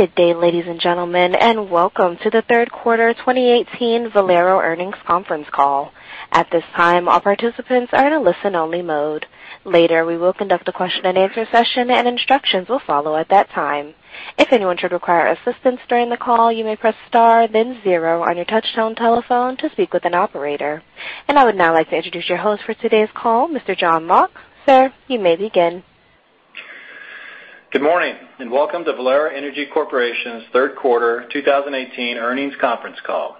Good day, ladies and gentlemen, welcome to the third quarter 2018 Valero Earnings Conference Call. At this time, all participants are in a listen-only mode. Later, we will conduct a question-and-answer session, and instructions will follow at that time. If anyone should require assistance during the call, you may press star then zero on your touchtone telephone to speak with an operator. I would now like to introduce your host for today's call, Mr. John Locke. Sir, you may begin. Good morning, welcome to Valero Energy Corporation's third quarter 2018 earnings conference call.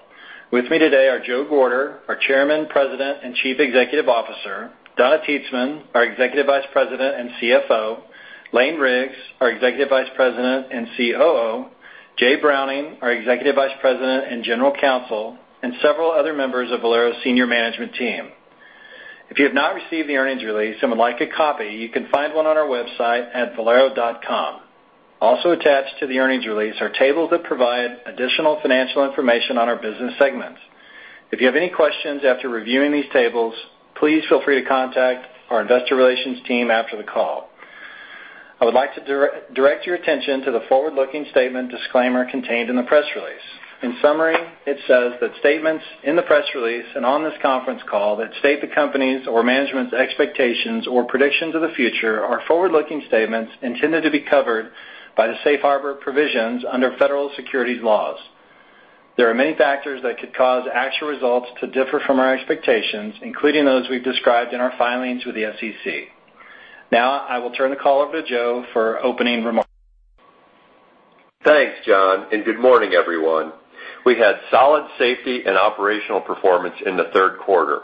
With me today are Joe Gorder, our Chairman, President and Chief Executive Officer; Donna Titzman, our Executive Vice President and CFO; Lane Riggs, our Executive Vice President and COO; Jay Browning, our Executive Vice President and General Counsel; and several other members of Valero's senior management team. If you have not received the earnings release and would like a copy, you can find one on our website at valero.com. Also attached to the earnings release are tables that provide additional financial information on our business segments. If you have any questions after reviewing these tables, please feel free to contact our investor relations team after the call. I would like to direct your attention to the forward-looking statement disclaimer contained in the press release. In summary, it says that statements in the press release and on this conference call that state the company's or management's expectations or predictions of the future are forward-looking statements intended to be covered by the safe harbor provisions under federal securities laws. There are many factors that could cause actual results to differ from our expectations, including those we've described in our filings with the SEC. I will turn the call over to Joe for opening remarks. Thanks, John, and good morning, everyone. We had solid safety and operational performance in the third quarter.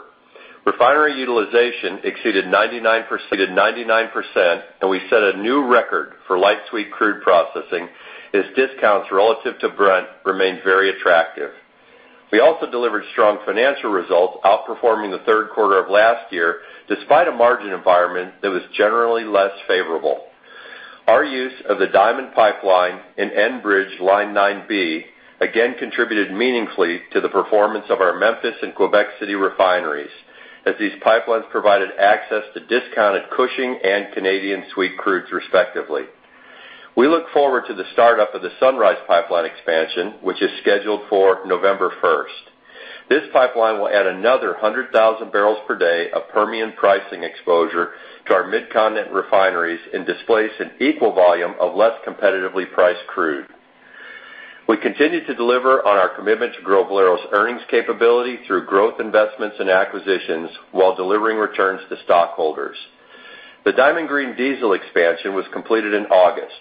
Refinery utilization exceeded 99%, and we set a new record for light sweet crude processing as discounts relative to Brent remained very attractive. We also delivered strong financial results outperforming the third quarter of last year, despite a margin environment that was generally less favorable. Our use of the Diamond Pipeline and Enbridge Line 9B again contributed meaningfully to the performance of our Memphis and Quebec City refineries, as these pipelines provided access to discounted Cushing and Canadian sweet crudes respectively. We look forward to the start-up of the Sunrise Pipeline expansion, which is scheduled for November 1st. This pipeline will add another 100,000 barrels per day of Permian pricing exposure to our Mid-Continent refineries and displace an equal volume of less competitively priced crude. We continue to deliver on our commitment to grow Valero's earnings capability through growth investments and acquisitions while delivering returns to stockholders. The Diamond Green Diesel expansion was completed in August,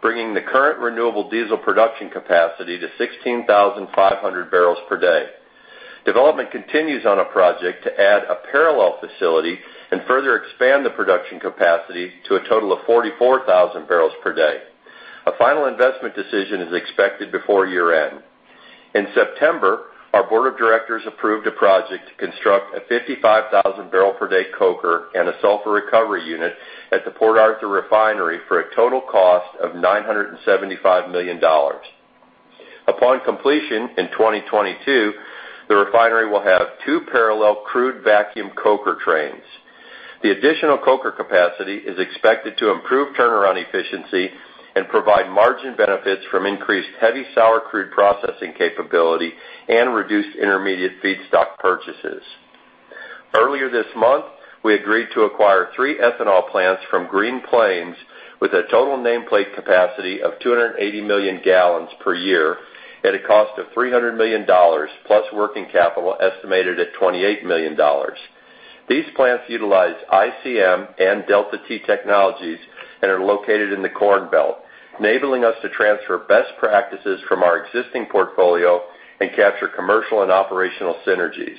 bringing the current renewable diesel production capacity to 16,500 barrels per day. Development continues on a project to add a parallel facility and further expand the production capacity to a total of 44,000 barrels per day. A final investment decision is expected before year-end. In September, our board of directors approved a project to construct a 55,000 barrel per day coker and a sulfur recovery unit at the Port Arthur refinery for a total cost of $975 million. Upon completion in 2022, the refinery will have two parallel crude vacuum coker trains. The additional coker capacity is expected to improve turnaround efficiency and provide margin benefits from increased heavy sour crude processing capability and reduced intermediate feedstock purchases. Earlier this month, we agreed to acquire three ethanol plants from Green Plains with a total nameplate capacity of 280 million gallons per year at a cost of $300 million plus working capital estimated at $28 million. These plants utilize ICM and Delta T technologies and are located in the Corn Belt, enabling us to transfer best practices from our existing portfolio and capture commercial and operational synergies.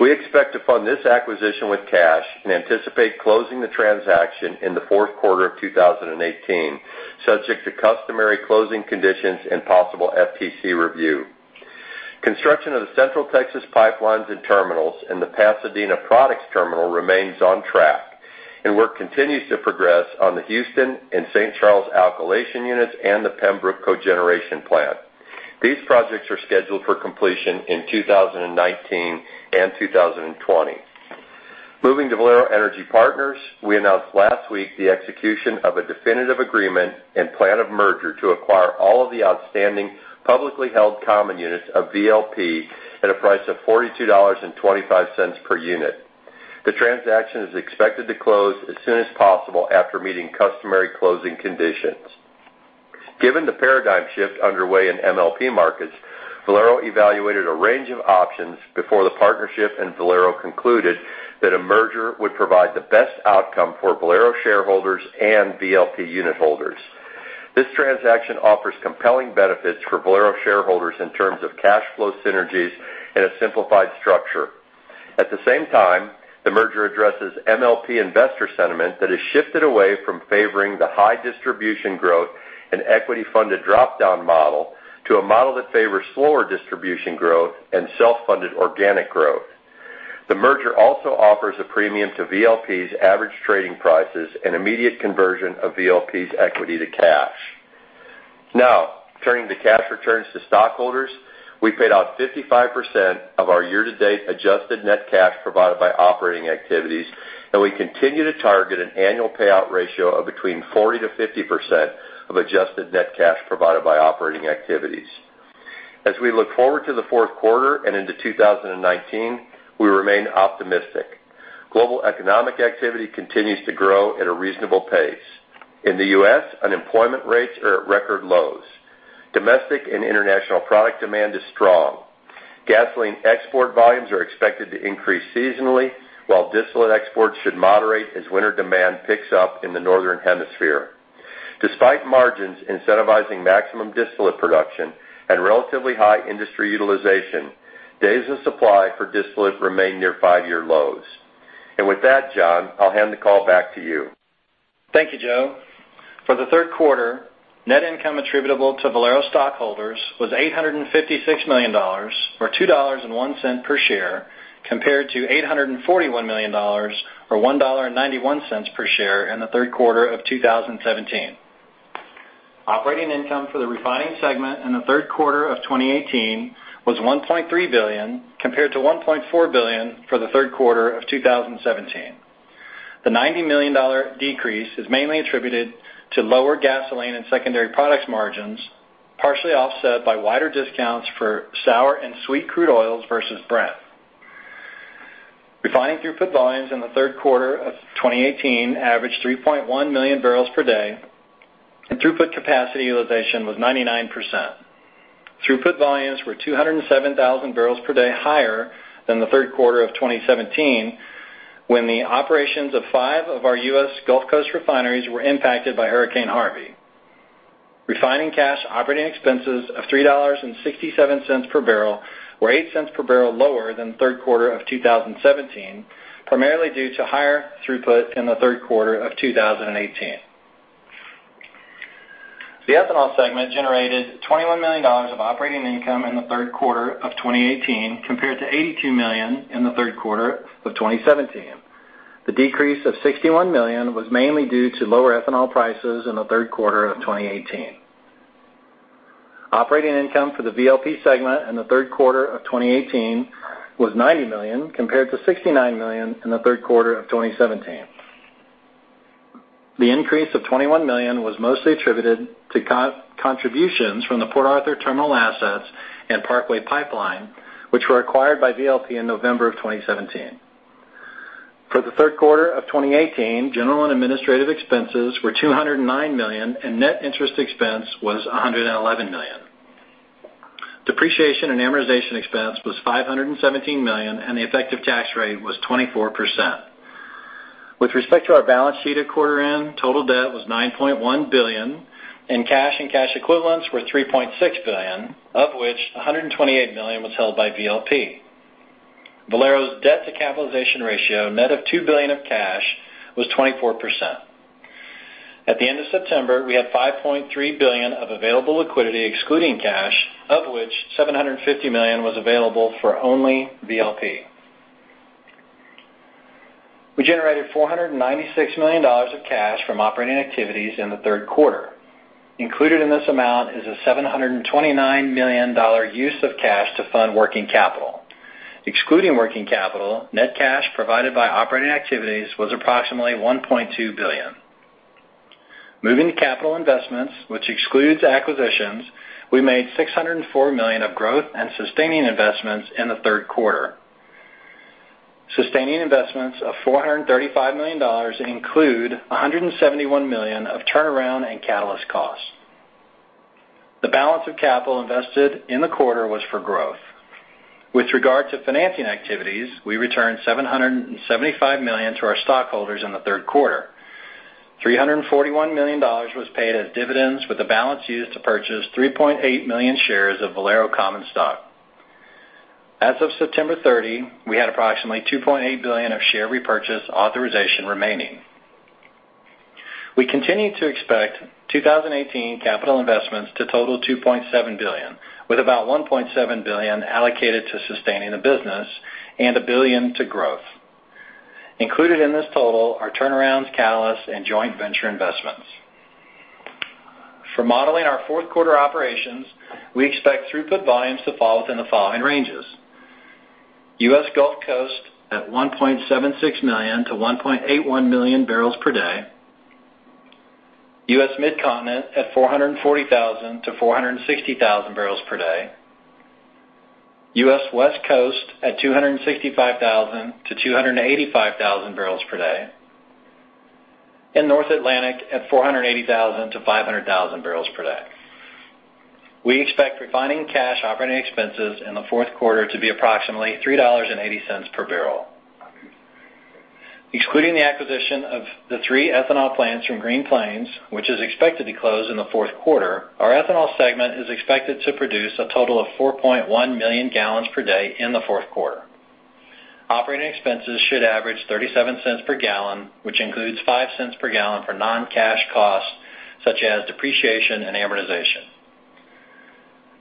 We expect to fund this acquisition with cash and anticipate closing the transaction in the fourth quarter of 2018, subject to customary closing conditions and possible FTC review. Construction of the Central Texas pipelines and terminals and the Pasadena products terminal remains on track, and work continues to progress on the Houston and St. Charles alkylation units and the Pembroke Cogeneration plant. These projects are scheduled for completion in 2019 and 2020. Moving to Valero Energy Partners, we announced last week the execution of a definitive agreement and plan of merger to acquire all of the outstanding publicly held common units of VLP at a price of $42.25 per unit. The transaction is expected to close as soon as possible after meeting customary closing conditions. Given the paradigm shift underway in MLP markets, Valero evaluated a range of options before the partnership, and Valero concluded that a merger would provide the best outcome for Valero shareholders and VLP unit holders. This transaction offers compelling benefits for Valero shareholders in terms of cash flow synergies and a simplified structure. At the same time, the merger addresses MLP investor sentiment that has shifted away from favoring the high distribution growth and equity-funded drop-down model to a model that favors slower distribution growth and self-funded organic growth. Turning to cash returns to stockholders. We paid out 55% of our year-to-date adjusted net cash provided by operating activities, and we continue to target an annual payout ratio of between 40%-50% of adjusted net cash provided by operating activities. As we look forward to the fourth quarter and into 2019, we remain optimistic. Global economic activity continues to grow at a reasonable pace. In the U.S., unemployment rates are at record lows. Domestic and international product demand is strong. Gasoline export volumes are expected to increase seasonally, while distillate exports should moderate as winter demand picks up in the northern hemisphere. Despite margins incentivizing maximum distillate production and relatively high industry utilization, days of supply for distillate remain near five-year lows. With that, John, I'll hand the call back to you. Thank you, Joe. For the third quarter, net income attributable to Valero stockholders was $856 million, or $2.01 per share, compared to $841 million, or $1.91 per share in the third quarter of 2017. Operating income for the refining segment in the third quarter of 2018 was $1.3 billion, compared to $1.4 billion for the third quarter of 2017. The $90 million decrease is mainly attributed to lower gasoline and secondary products margins, partially offset by wider discounts for sour and sweet crude oils versus Brent. Refining throughput volumes in the third quarter of 2018 averaged 3.1 million barrels per day, and throughput capacity utilization was 99%. Throughput volumes were 207,000 barrels per day higher than the third quarter of 2017, when the operations of five of our U.S. Gulf Coast refineries were impacted by Hurricane Harvey. Refining cash operating expenses of $3.67 per barrel were $0.08 per barrel lower than the third quarter of 2017, primarily due to higher throughput in the third quarter of 2018. The ethanol segment generated $21 million of operating income in the third quarter of 2018, compared to $82 million in the third quarter of 2017. The decrease of $61 million was mainly due to lower ethanol prices in the third quarter of 2018. Operating income for the VLP segment in the third quarter of 2018 was $90 million, compared to $69 million in the third quarter of 2017. The increase of $21 million was mostly attributed to contributions from the Port Arthur terminal assets and Parkway Pipeline, which were acquired by VLP in November of 2017. For the third quarter of 2018, general and administrative expenses were $209 million, and net interest expense was $111 million. Depreciation and amortization expense was $517 million, and the effective tax rate was 24%. With respect to our balance sheet at quarter end, total debt was $9.1 billion, and cash and cash equivalents were $3.6 billion, of which $128 million was held by VLP. Valero's debt to capitalization ratio, net of $2 billion of cash, was 24%. At the end of September, we had $5.3 billion of available liquidity excluding cash, of which $750 million was available for only VLP. We generated $496 million of cash from operating activities in the third quarter. Included in this amount is a $729 million use of cash to fund working capital. Excluding working capital, net cash provided by operating activities was approximately $1.2 billion. Moving to capital investments, which excludes acquisitions, we made $604 million of growth and sustaining investments in the third quarter. Sustaining investments of $435 million include $171 million of turnaround and catalyst costs. The balance of capital invested in the quarter was for growth. With regard to financing activities, we returned $775 million to our stockholders in the third quarter. $341 million was paid as dividends, with the balance used to purchase 3.8 million shares of Valero common stock. As of September 30, we had approximately $2.8 billion of share repurchase authorization remaining. We continue to expect 2018 capital investments to total $2.7 billion, with about $1.7 billion allocated to sustaining the business and $1 billion to growth. Included in this total are turnarounds, catalysts, and joint venture investments. For modeling our fourth quarter operations, we expect throughput volumes to fall within the following ranges: U.S. Gulf Coast at 1.76 million-1.81 million barrels per day, U.S. Midcontinent at 440,000-460,000 barrels per day, U.S. West Coast at 265,000-285,000 barrels per day, and North Atlantic at 480,000-500,000 barrels per day. We expect refining cash operating expenses in the fourth quarter to be approximately $3.80 per barrel. Excluding the acquisition of the three ethanol plants from Green Plains, which is expected to close in the fourth quarter, our ethanol segment is expected to produce a total of 4.1 million gallons per day in the fourth quarter. Operating expenses should average $0.37 per gallon, which includes $0.05 per gallon for non-cash costs such as depreciation and amortization.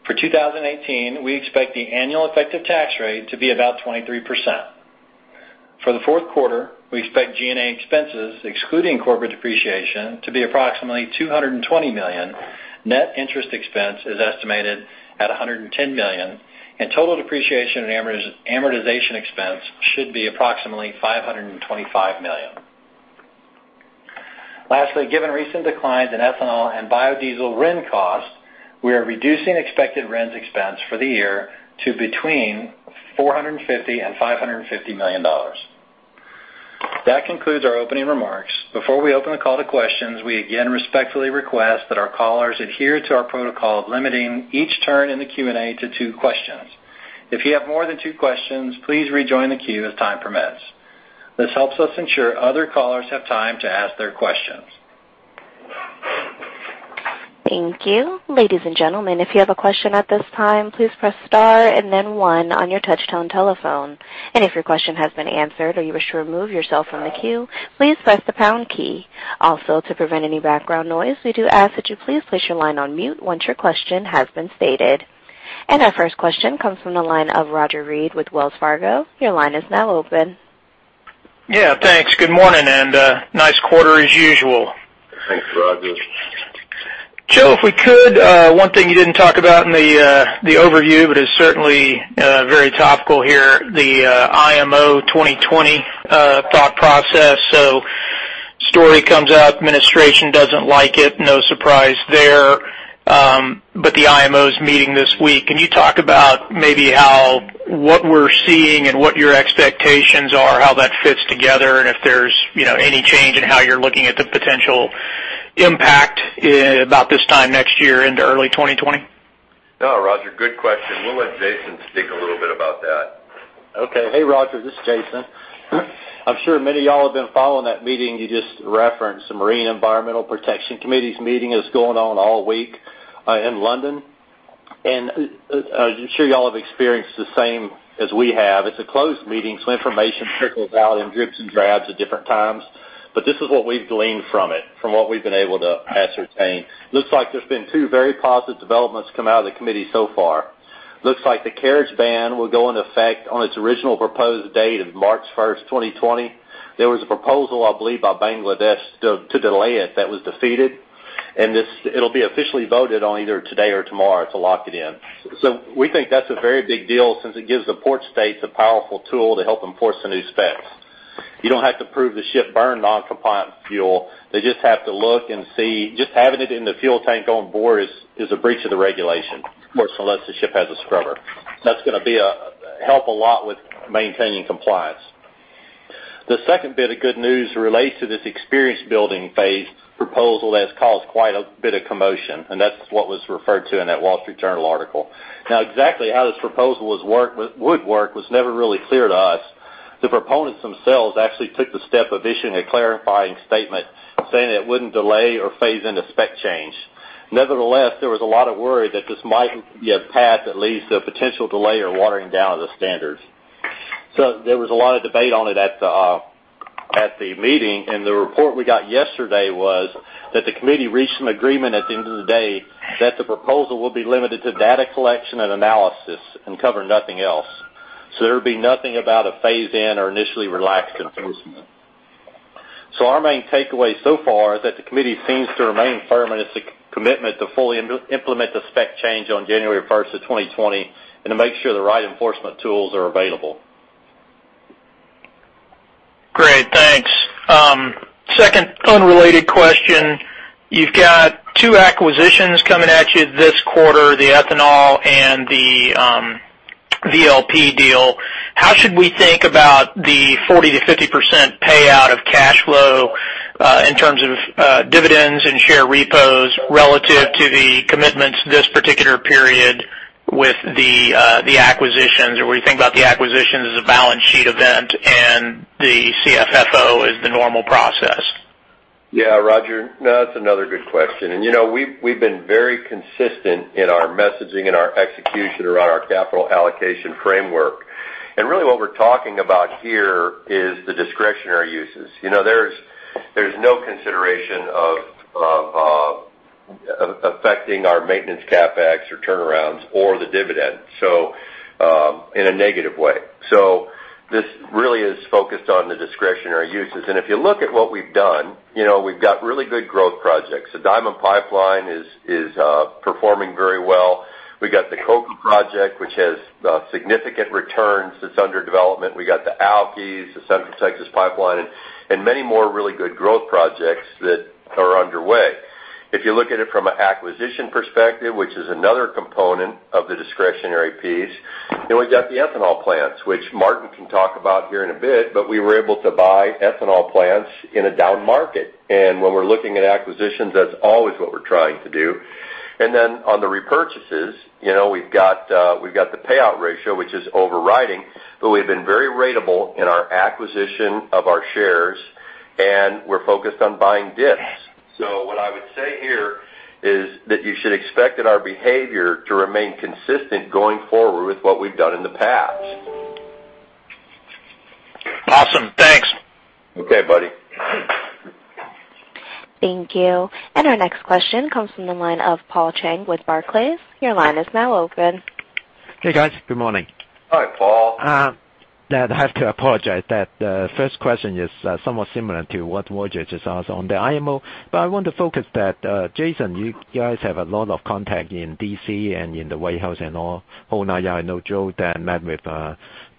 For 2018, we expect the annual effective tax rate to be about 23%. For the fourth quarter, we expect G&A expenses, excluding corporate depreciation, to be approximately $220 million. Net interest expense is estimated at $110 million, and total depreciation and amortization expense should be approximately $525 million. Lastly, given recent declines in ethanol and biodiesel RIN costs, we are reducing expected RINs expense for the year to between $450 million and $550 million. That concludes our opening remarks. Before we open the call to questions, we again respectfully request that our callers adhere to our protocol of limiting each turn in the Q&A to two questions. If you have more than two questions, please rejoin the queue as time permits. This helps us ensure other callers have time to ask their questions. Thank you. Ladies and gentlemen, if you have a question at this time, please press star and then one on your touchtone telephone. If your question has been answered or you wish to remove yourself from the queue, please press the pound key. To prevent any background noise, we do ask that you please place your line on mute once your question has been stated. Our first question comes from the line of Roger Read with Wells Fargo. Your line is now open. Yeah, thanks. Good morning. Nice quarter as usual. Thanks, Roger. Joe, if we could, one thing you didn't talk about in the overview is certainly very topical here, the IMO 2020 thought process. Story comes out, Administration doesn't like it, no surprise there. The IMO's meeting this week. Can you talk about maybe what we're seeing and what your expectations are, how that fits together and if there's any change in how you're looking at the potential impact about this time next year into early 2020? No, Roger, good question. We'll let Jason speak a little bit about that. Okay. Hey, Roger, this is Jason. I'm sure many of y'all have been following that meeting you just referenced. The Marine Environment Protection Committee's meeting is going on all week in London. I'm sure y'all have experienced the same as we have. It's a closed meeting, so information trickles out in dribs and drabs at different times. This is what we've gleaned from it, from what we've been able to ascertain. Looks like there's been two very positive developments come out of the committee so far. Looks like the carriage ban will go into effect on its original proposed date of March 1st, 2020. There was a proposal, I believe, by Bangladesh to delay it that was defeated, and it'll be officially voted on either today or tomorrow to lock it in. We think that's a very big deal since it gives the port states a powerful tool to help enforce the new specs. You don't have to prove the ship burned noncompliant fuel. They just have to look and see. Just having it in the fuel tank on board is a breach of the regulation. Of course, unless the ship has a scrubber. That's going to help a lot with maintaining compliance. The second bit of good news relates to this experience building phase proposal that has caused quite a bit of commotion, and that's what was referred to in that The Wall Street Journal article. Exactly how this proposal would work was never really clear to us. The proponents themselves actually took the step of issuing a clarifying statement saying it wouldn't delay or phase in the spec change. Nevertheless, there was a lot of worry that this might be a path that leads to a potential delay or watering down of the standards. There was a lot of debate on it at the meeting, and the report we got yesterday was that the committee reached an agreement at the end of the day that the proposal will be limited to data collection and analysis and cover nothing else. There would be nothing about a phase in or initially relaxed enforcement. Our main takeaway so far is that the committee seems to remain firm in its commitment to fully implement the spec change on January 1st of 2020 and to make sure the right enforcement tools are available. Great, thanks. Second unrelated question. You've got two acquisitions coming at you this quarter, the ethanol and the VLP deal. How should we think about the 40%-50% payout of cash flow in terms of dividends and share repos relative to the commitments this particular period with the acquisitions? We think about the acquisitions as a balance sheet event and the CFFO as the normal process. Yeah, Roger. That's another good question. We've been very consistent in our messaging and our execution around our capital allocation framework. Really what we're talking about here is the discretionary uses. There's no consideration of affecting our maintenance CapEx or turnarounds or the dividend in a negative way. This really is focused on the discretionary uses. If you look at what we've done, we've got really good growth projects. The Diamond Pipeline is performing very well. We've got the Coker project, which has significant returns that's under development. We got the Alky units, the Central Texas Pipeline, and many more really good growth projects that are underway. If you look at it from an acquisition perspective, which is another component of the discretionary piece, then we've got the ethanol plants, which Martin can talk about here in a bit. We were able to buy ethanol plants in a down market. When we're looking at acquisitions, that's always what we're trying to do. Then on the repurchases, we've got the payout ratio, which is overriding. We've been very ratable in our acquisition of our shares, and we're focused on buying dips. What I would say here is that you should expect that our behavior to remain consistent going forward with what we've done in the past. Thank you. Our next question comes from the line of Paul Cheng with Barclays. Your line is now open. Hey, guys. Good morning. Hi, Paul. I have to apologize that the first question is somewhat similar to what Roger just asked on the IMO. I want to focus that, Jason, you guys have a lot of contact in D.C. and in the White House and all. I know Joe met with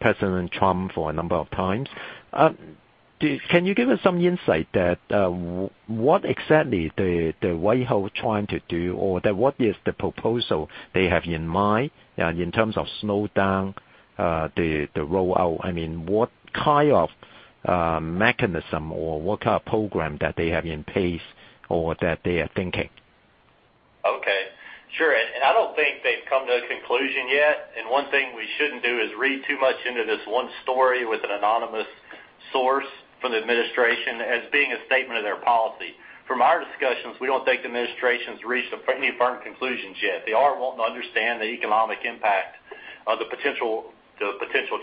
President Trump for a number of times. Can you give us some insight that what exactly the White House trying to do, what is the proposal they have in mind in terms of slow down the rollout? What kind of mechanism or what kind of program that they have in place or that they are thinking? Okay. Sure. I don't think they've come to a conclusion yet. One thing we shouldn't do is read too much into this one story with an anonymous source from the administration as being a statement of their policy. From our discussions, we don't think the administration's reached any firm conclusions yet. They are wanting to understand the economic impact of the potential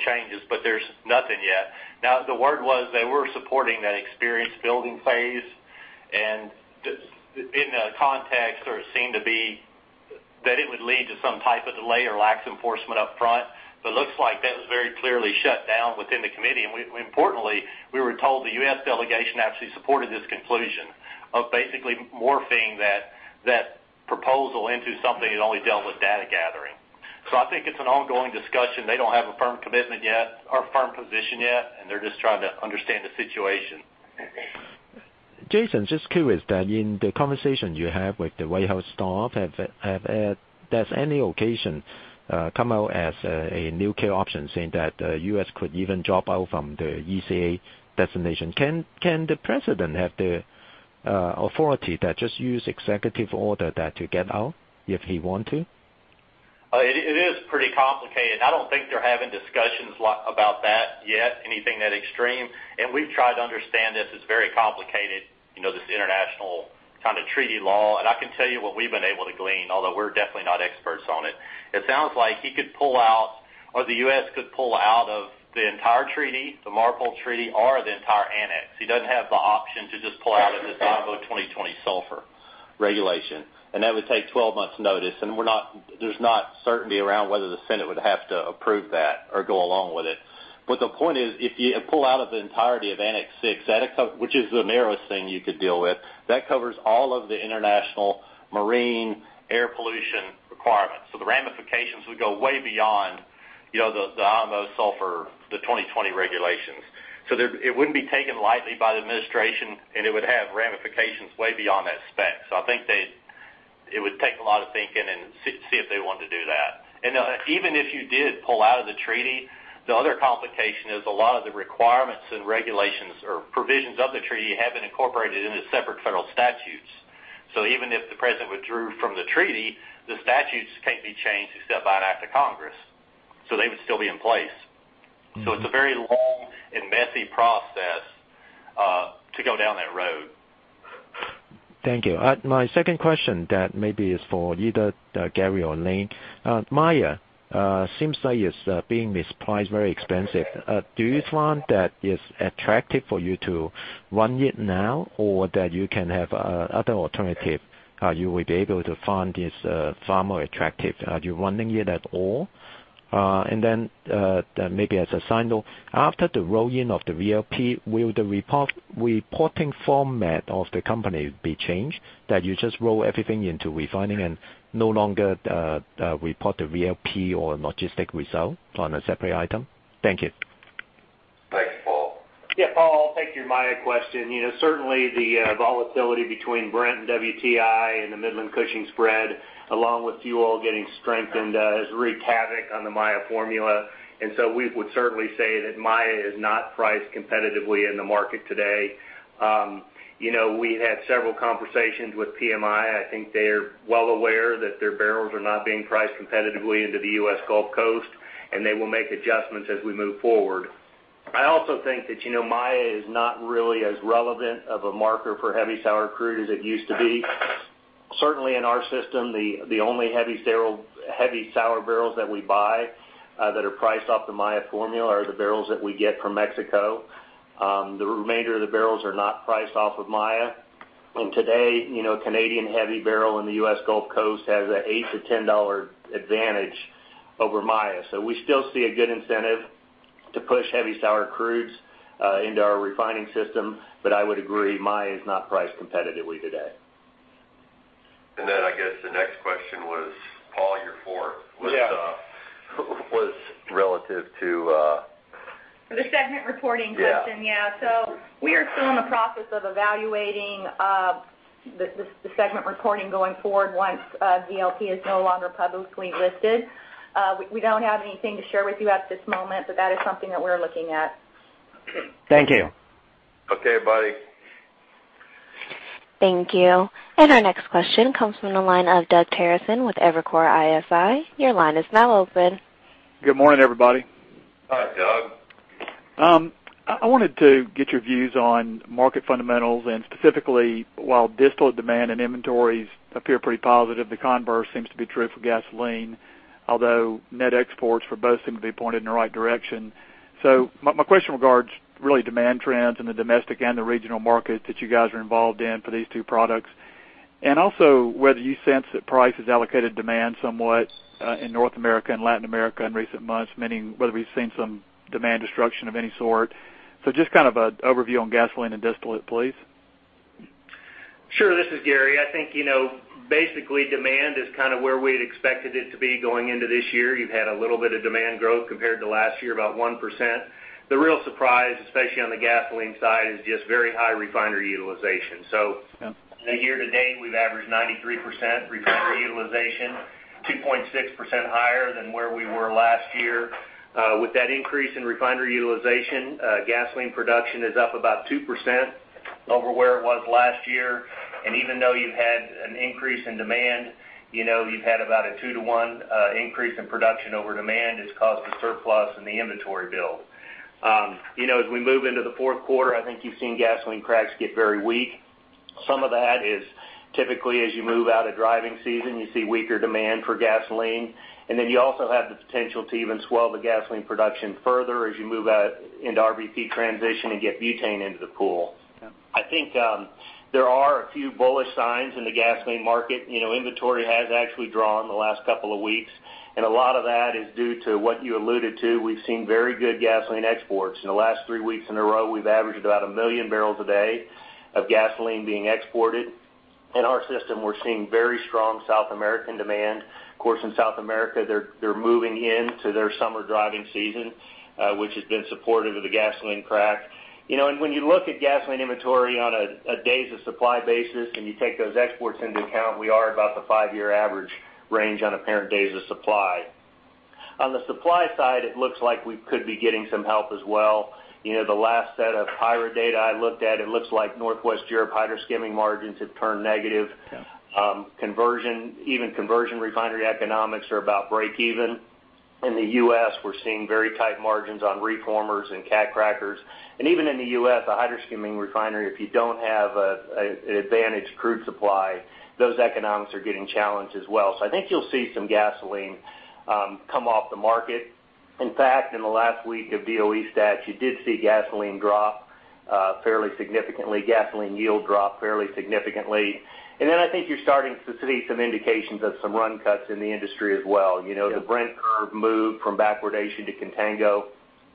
changes, there's nothing yet. The word was they were supporting that experience building phase, in a context or it seemed to be that it would lead to some type of delay or lax enforcement up front. Looks like that was very clearly shut down within the committee. Importantly, we were told the U.S. delegation actually supported this conclusion of basically morphing that proposal into something that only dealt with data gathering. I think it's an ongoing discussion. They don't have a firm commitment yet or a firm position yet, they're just trying to understand the situation. Jason, just curious that in the conversation you have with the White House staff, has any occasion come out as a new care option, saying that U.S. could even drop out from the ECA designation? Can the President have the authority that just use executive order that to get out if he want to? It is pretty complicated. I don't think they're having discussions about that yet, anything that extreme. We've tried to understand this. It's very complicated, this international kind of treaty law, I can tell you what we've been able to glean, although we're definitely not experts on it. It sounds like he could pull out or the U.S. could pull out of the entire treaty, the MARPOL treaty or the entire annex. He doesn't have the option to just pull out of this IMO 2020 sulfur regulation, that would take 12 months notice and there's not certainty around whether the Senate would have to approve that or go along with it. The point is, if you pull out of the entirety of Annex VI, which is the narrowest thing you could deal with, that covers all of the international marine air pollution requirements. The ramifications would go way beyond the IMO sulfur, the 2020 regulations. It wouldn't be taken lightly by the administration, it would have ramifications way beyond that spec. I think it would take a lot of thinking and see if they want to do that. Even if you did pull out of the treaty, the other complication is a lot of the requirements and regulations or provisions of the treaty have been incorporated into separate federal statutes. Even if the President withdrew from the treaty, the statutes can't be changed except by an act of Congress. They would still be in place. It's a very long and messy process to go down that road. Thank you. My second question that maybe is for either Gary or Lane. Maya seems like it's being priced very expensive. Do you find that it's attractive for you to run it now or that you can have other alternative you would be able to find is far more attractive? Are you running it at all? Then maybe as a sign though, after the roll-in of the VLP, will the reporting format of the company be changed that you just roll everything into refining and no longer report the VLP or logistic result on a separate item? Thank you. Thank you, Paul. Yeah, Paul, I'll take your Maya question. Certainly the volatility between Brent and WTI and the Midland Cushing spread, along with fuel oil getting strengthened has wreaked havoc on the Maya formula. So we would certainly say that Maya is not priced competitively in the market today. We had several conversations with PMI. I think they are well aware that their barrels are not being priced competitively into the U.S. Gulf Coast, they will make adjustments as we move forward. I also think that Maya is not really as relevant of a marker for heavy sour crude as it used to be. Certainly, in our system, the only heavy sour barrels that we buy that are priced off the Maya formula are the barrels that we get from Mexico. The remainder of the barrels are not priced off of Maya. Today, Canadian heavy barrel in the U.S. Gulf Coast has an $8-$10 advantage over Maya. We still see a good incentive to push heavy sour crudes into our refining system. I would agree, Maya is not priced competitively today. I guess the next question was, Paul, your fourth- Yeah was relative to- The segment reporting question. Yeah. We are still in the process of evaluating the segment reporting going forward once VLP is no longer publicly listed. We don't have anything to share with you at this moment, but that is something that we're looking at. Thank you. Okay, buddy. Thank you. Our next question comes from the line of Doug Terreson with Evercore ISI. Your line is now open. Good morning, everybody. Hi, Doug. I wanted to get your views on market fundamentals and specifically while distillate demand and inventories appear pretty positive, the converse seems to be true for gasoline. Net exports for both seem to be pointed in the right direction. My question regards really demand trends in the domestic and the regional markets that you guys are involved in for these two products. Also whether you sense that price has allocated demand somewhat in North America and Latin America in recent months, meaning whether we've seen some demand destruction of any sort. Just kind of an overview on gasoline and distillate, please. Sure. This is Gary. I think basically demand is where we'd expected it to be going into this year. You've had a little bit of demand growth compared to last year, about 1%. The real surprise, especially on the gasoline side, is just very high refinery utilization. Yeah Year-to-date, we've averaged 93% refinery utilization, 2.6% higher than where we were last year. With that increase in refinery utilization, gasoline production is up about 2% over where it was last year. Even though you've had an increase in demand, you've had about a 2 to 1 increase in production over demand. It's caused a surplus in the inventory build. As we move into the fourth quarter, I think you've seen gasoline cracks get very weak. Some of that is typically as you move out of driving season, you see weaker demand for gasoline. Then you also have the potential to even swell the gasoline production further as you move out into RVP transition and get butane into the pool. Yeah. I think there are a few bullish signs in the gasoline market. Inventory has actually drawn the last couple of weeks, and a lot of that is due to what you alluded to. We've seen very good gasoline exports. In the last three weeks in a row, we've averaged about 1 million barrels a day of gasoline being exported. In our system, we're seeing very strong South American demand. Of course, in South America, they're moving into their summer driving season, which has been supportive of the gasoline crack. When you look at gasoline inventory on a days of supply basis, and you take those exports into account, we are about the five-year average range on a current days of supply. On the supply side, it looks like we could be getting some help as well. The last set of Haver data I looked at, it looks like Northwest Europe hydrodesulfurization margins have turned negative. Yeah. Even conversion refinery economics are about break even. In the U.S., we're seeing very tight margins on reformers and cat crackers. Even in the U.S., a hydrodesulfurization refinery, if you don't have an advantage crude supply, those economics are getting challenged as well. I think you'll see some gasoline come off the market. In fact, in the last week of DOE stats, you did see gasoline drop fairly significantly, gasoline yield drop fairly significantly. I think you're starting to see some indications of some run cuts in the industry as well. Yeah. The Brent curve moved from backwardation to contango,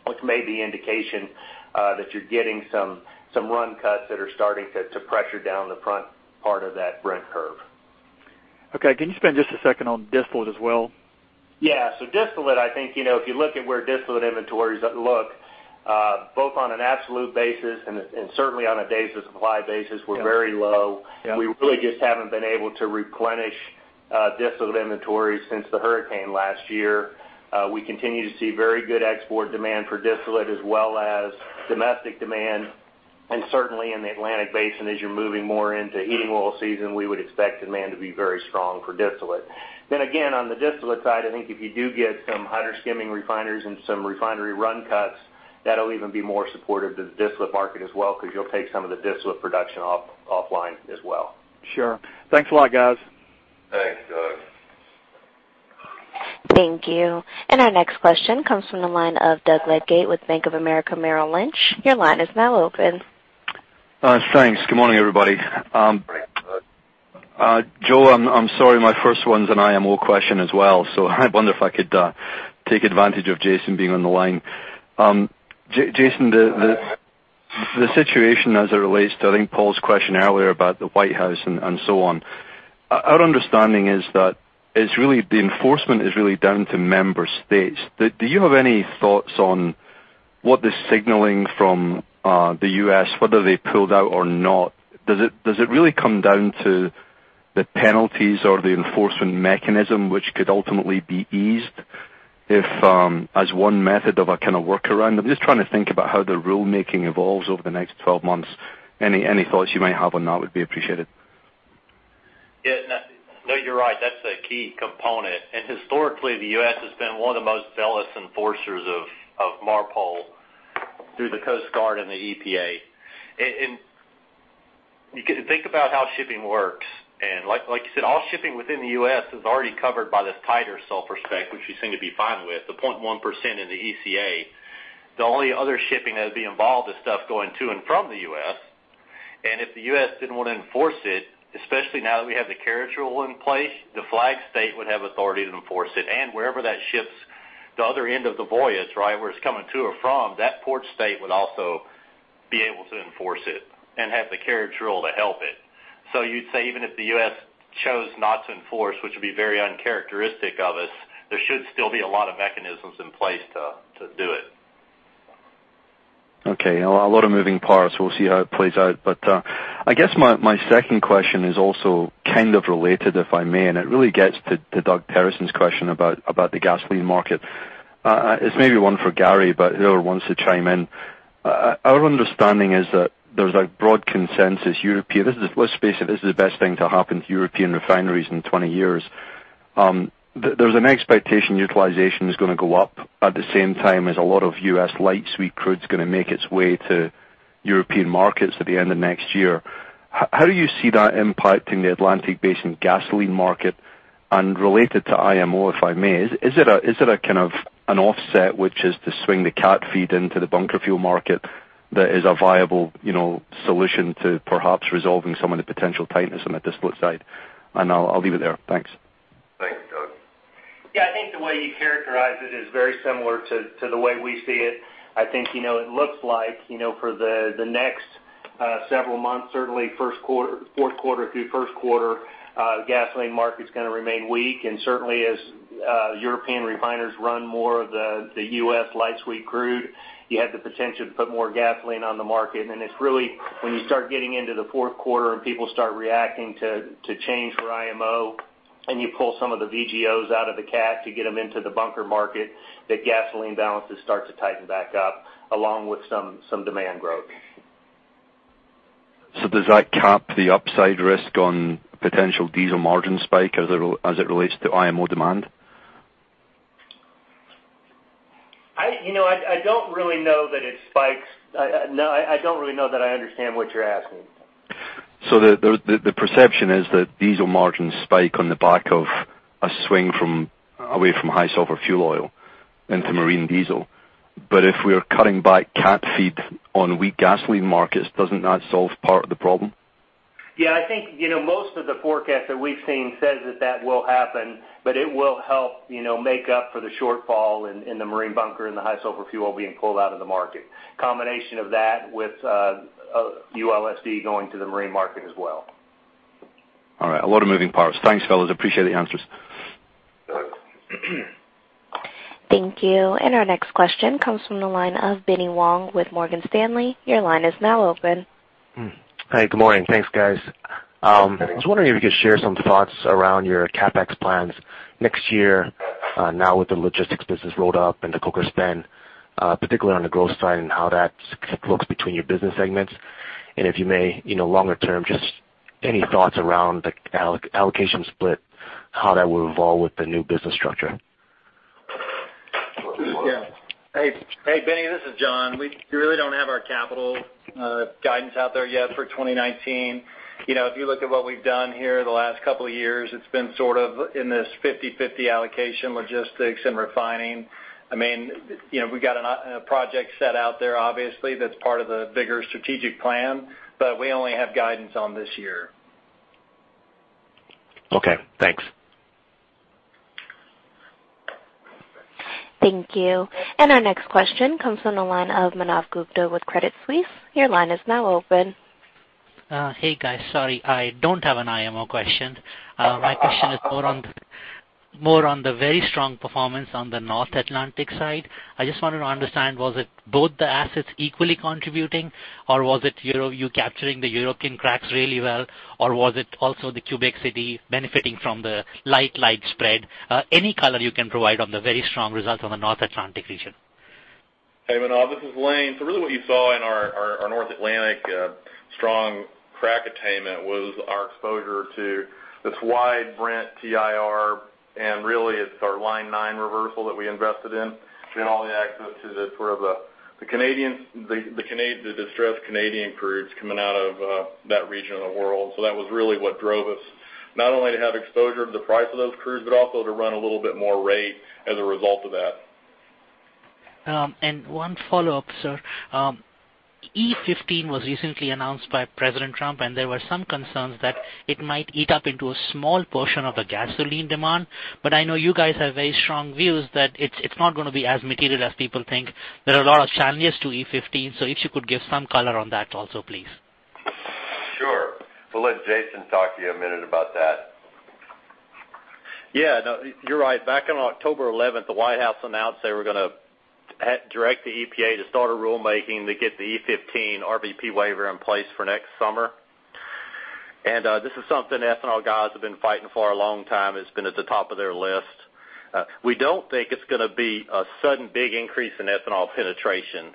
which may be indication that you're getting some run cuts that are starting to pressure down the front part of that Brent curve. Okay. Can you spend just a second on distillate as well? Yeah. Distillate, I think, if you look at where distillate inventories look both on an absolute basis and certainly on a days of supply basis- Yeah we're very low. Yeah. We really just haven't been able to replenish distillate inventories since the hurricane last year. We continue to see very good export demand for distillate as well as domestic demand, and certainly in the Atlantic Basin, as you're moving more into heating oil season, we would expect demand to be very strong for distillate. Again, on the distillate side, I think if you do get some hydrodesulfurization refineries and some refinery run cuts, that'll even be more supportive to the distillate market as well because you'll take some of the distillate production offline as well. Sure. Thanks a lot, guys. Thanks, Doug. Thank you. Our next question comes from the line of Doug Leggate with Bank of America Merrill Lynch. Your line is now open. Thanks. Good morning, everybody. Morning, Doug. Joe, I'm sorry, my first one's an IMO question as well. I wonder if I could take advantage of Jason being on the line. Jason, the situation as it relates to, I think, Paul's question earlier about the White House and so on. Our understanding is that the enforcement is really down to member states. Do you have any thoughts on what the signaling from the U.S., whether they pulled out or not? Does it really come down to the penalties or the enforcement mechanism which could ultimately be eased as one method of a kind of workaround? I'm just trying to think about how the rulemaking evolves over the next 12 months. Any thoughts you might have on that would be appreciated. Yeah. No, you're right. That's a key component. Historically, the U.S. has been one of the most zealous enforcers of MARPOL through the Coast Guard and the EPA. You think about how shipping works, and like you said, all shipping within the U.S. is already covered by this tighter sulfur spec, which we seem to be fine with, the 0.1% in the ECA. The only other shipping that would be involved is stuff going to and from the U.S. If the U.S. didn't want to enforce it, especially now that we have the carriage rule in place, the flag state would have authority to enforce it. Wherever that ship's the other end of the voyage, where it's coming to or from, that port state would also be able to enforce it and have the carriage rule to help it. You'd say, even if the U.S. chose not to enforce, which would be very uncharacteristic of us, there should still be a lot of mechanisms in place to do it. Okay. A lot of moving parts. We'll see how it plays out. I guess my second question is also kind of related, if I may, and it really gets to Doug Terreson's question about the gasoline market. It's maybe one for Gary, but whoever wants to chime in. Our understanding is that there's a broad consensus. Let's face it, this is the best thing to happen to European refineries in 20 years. There's an expectation utilization is going to go up at the same time as a lot of U.S. light sweet crude is going to make its way to European markets at the end of next year. How do you see that impacting the Atlantic Basin gasoline market? Related to IMO, if I may, is it a kind of an offset, which is to swing the cat feed into the bunker fuel market that is a viable solution to perhaps resolving some of the potential tightness on the distillate side? I'll leave it there. Thanks. Thanks, Doug. Yeah. I think the way you characterize it is very similar to the way we see it. I think, it looks like, for the next several months, certainly fourth quarter through first quarter, gasoline market's going to remain weak. Certainly as European refiners run more of the U.S. light sweet crude, you have the potential to put more gasoline on the market. It's really when you start getting into the fourth quarter and people start reacting to change for IMO, and you pull some of the VGOs out of the cat to get them into the bunker market, that gasoline balances start to tighten back up along with some demand growth. Does that cap the upside risk on potential diesel margin spike as it relates to IMO demand? I don't really know that it spikes. I don't really know that I understand what you're asking. The perception is that diesel margins spike on the back of a swing away from high sulfur fuel oil into marine diesel. If we're cutting back cat feed on weak gasoline markets, doesn't that solve part of the problem? Yeah, I think, most of the forecasts that we've seen says that that will happen, but it will help make up for the shortfall in the marine bunker and the high sulfur fuel being pulled out of the market. Combination of that with ULSD going to the marine market as well. All right. A lot of moving parts. Thanks, fellas. Appreciate the answers. You're welcome. Thank you. Our next question comes from the line of Benny Wong with Morgan Stanley. Your line is now open. Hi. Good morning. Thanks, guys. I was wondering if you could share some thoughts around your CapEx plans next year, now with the logistics business load up and the Coker spend, particularly on the growth side and how that looks between your business segments. If you may, longer term, just any thoughts around the allocation split, how that will evolve with the new business structure? Yeah. Hey, Benny, this is John. We really don't have our capital guidance out there yet for 2019. If you look at what we've done here the last couple of years, it's been sort of in this 50/50 allocation logistics and refining. We got a project set out there, obviously, that's part of the bigger strategic plan, but we only have guidance on this year. Okay. Thanks. Thank you. Our next question comes from the line of Manav Gupta with Credit Suisse. Your line is now open. Hey, guys. Sorry, I don't have an IMO question. My question is more on the very strong performance on the North Atlantic side. I just wanted to understand, was it both the assets equally contributing, or was it you capturing the European cracks really well, or was it also the Quebec City benefiting from the light spread? Any color you can provide on the very strong results on the North Atlantic region. Hey, Manav, this is Lane. Really what you saw in our North Atlantic strong crack attainment was our exposure to this wide Brent/WTI, and really it's our Line 9B reversal that we invested in. Getting all the access to the distressed Canadian crudes coming out of that region of the world. That was really what drove us, not only to have exposure to the price of those crudes, but also to run a little bit more rate as a result of that. One follow-up, sir. E15 was recently announced by Donald Trump. There were some concerns that it might eat up into a small portion of the gasoline demand. I know you guys have very strong views that it's not going to be as material as people think. There are a lot of challenges to E15. If you could give some color on that also, please. Sure. We'll let Jason talk to you a minute about that. Yeah. No, you're right. Back on October 11th, the White House announced they were going to direct the EPA to start a rulemaking to get the E15 RVP waiver in place for next summer. This is something ethanol guys have been fighting for a long time. It's been at the top of their list. We don't think it's going to be a sudden big increase in ethanol penetration.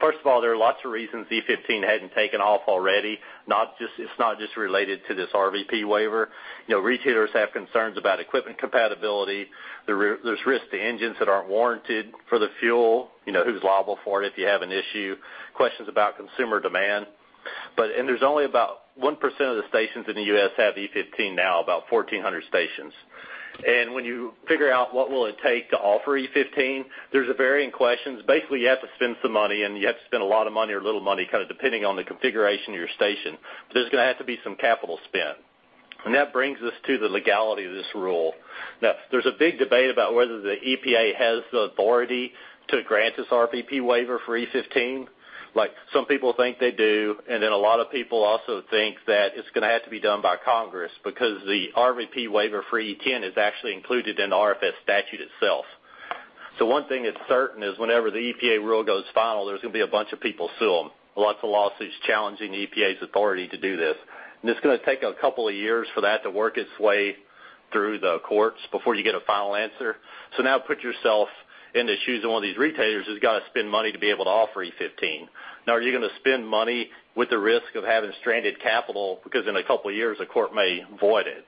First of all, there are lots of reasons E15 hadn't taken off already. It's not just related to this RVP waiver. Retailers have concerns about equipment compatibility. There's risk to engines that aren't warranted for the fuel. Who's liable for it if you have an issue? Questions about consumer demand. There's only about 1% of the stations in the U.S. have E15 now, about 1,400 stations. When you figure out what will it take to offer E15, there's varying questions. Basically, you have to spend some money. You have to spend a lot of money or a little money, kind of depending on the configuration of your station. There's going to have to be some capital spend. That brings us to the legality of this rule. Now, there's a big debate about whether the EPA has the authority to grant this RVP waiver for E15. Some people think they do. A lot of people also think that it's going to have to be done by Congress because the RVP waiver for E10 is actually included in the RFS statute itself. One thing that's certain is whenever the EPA rule goes final, there's going to be a bunch of people sue them. Lots of lawsuits challenging the EPA's authority to do this. It's going to take a couple of years for that to work its way through the courts before you get a final answer. Now put yourself in the shoes of one of these retailers who's got to spend money to be able to offer E15. Now, are you going to spend money with the risk of having stranded capital because in a couple of years, a court may void it?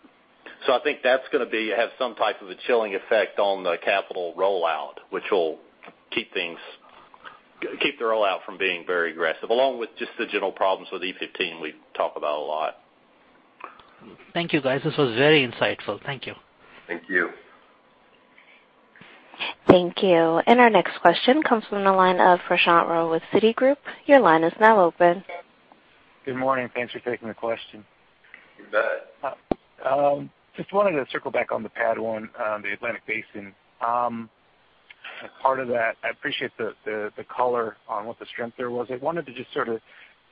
I think that's going to have some type of a chilling effect on the capital rollout, which will keep the rollout from being very aggressive, along with just the general problems with E15 we talk about a lot. Thank you, guys. This was very insightful. Thank you. Thank you. Thank you. Our next question comes from the line of Prashant Rao with Citigroup. Your line is now open. Good morning. Thanks for taking the question. You bet. Just wanted to circle back on the PADD 1, the Atlantic Basin. As part of that, I appreciate the color on what the strength there was. I wanted to just sort of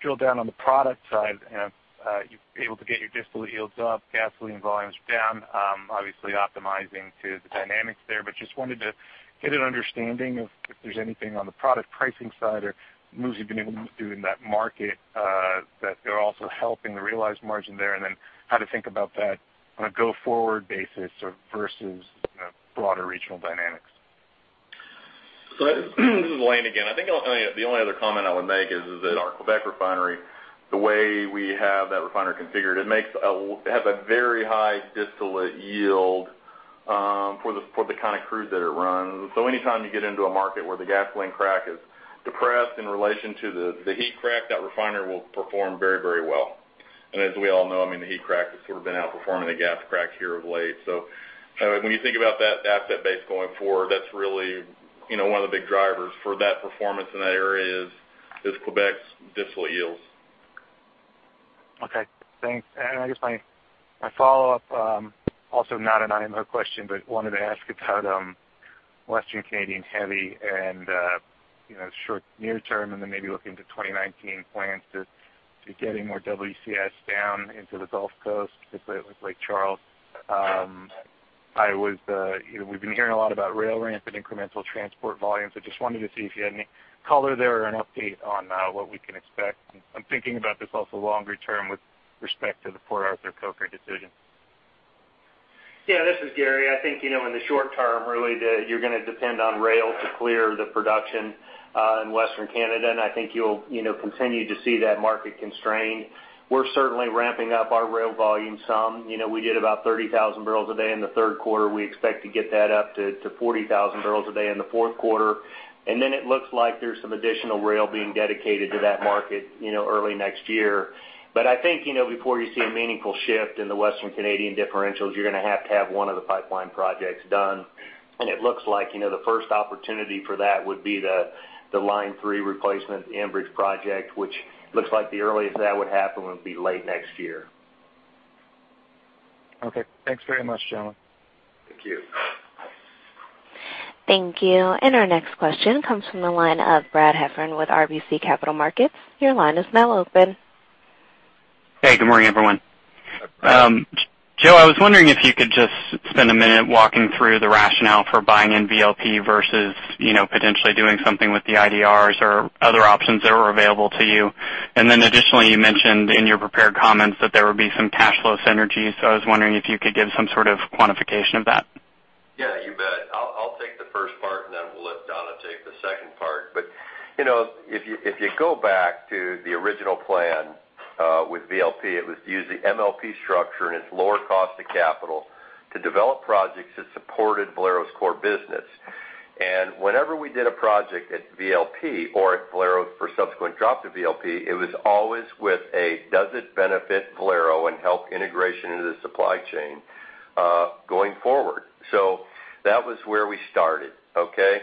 drill down on the product side and you've been able to get your distillate yields up, gasoline volumes down, obviously optimizing to the dynamics there. Just wanted to get an understanding of if there's anything on the product pricing side or moves you've been able to do in that market that are also helping the realized margin there, and then how to think about that on a go-forward basis versus broader regional dynamics. This is Lane again. I think the only other comment I would make is that our Quebec refinery, the way we have that refinery configured, it has a very high distillate yield for the kind of crude that it runs. Anytime you get into a market where the gasoline crack is depressed in relation to the heat crack, that refinery will perform very well. As we all know, the heat crack has sort of been outperforming the gas crack here of late. When you think about that asset base going forward, that's really one of the big drivers for that performance in that area is Quebec's distillate yields. Okay, thanks. I guess my follow-up, also not an IMO question, but wanted to ask about Western Canadian heavy and short near term, then maybe looking to 2019 plans to getting more WCS down into the Gulf Coast, specifically at Lake Charles. We've been hearing a lot about rail ramps and incremental transport volumes. I just wanted to see if you had any color there or an update on what we can expect. I'm thinking about this also longer term with respect to the Port Arthur coke decision. This is Gary. I think, in the short term, really you're going to depend on rail to clear the production in Western Canada, I think you'll continue to see that market constrained. We're certainly ramping up our rail volume some. We did about 30,000 barrels a day in the third quarter. We expect to get that up to 40,000 barrels a day in the fourth quarter. Then it looks like there's some additional rail being dedicated to that market early next year. I think, before you see a meaningful shift in the Western Canadian differentials, you're going to have to have one of the pipeline projects done. It looks like the first opportunity for that would be the Line 3 Replacement Enbridge project, which looks like the earliest that would happen would be late next year. Okay. Thanks very much, gentlemen. Thank you. Thank you. Our next question comes from the line of Brad Heffern with RBC Capital Markets. Your line is now open. Hey, good morning, everyone. Joe, I was wondering if you could just spend a minute walking through the rationale for buying in VLP versus potentially doing something with the IDRs or other options that were available to you. Additionally, you mentioned in your prepared comments that there would be some cash flow synergies, so I was wondering if you could give some sort of quantification of that. Yeah, you bet. I'll take the first part, and then we'll let Donna take the second part. If you go back to the original plan with VLP, it was to use the MLP structure and its lower cost of capital to develop projects that supported Valero's core business. Whenever we did a project at VLP or at Valero for subsequent drop to VLP, it was always with a does it benefit Valero and help integration into the supply chain going forward? That was where we started. Okay?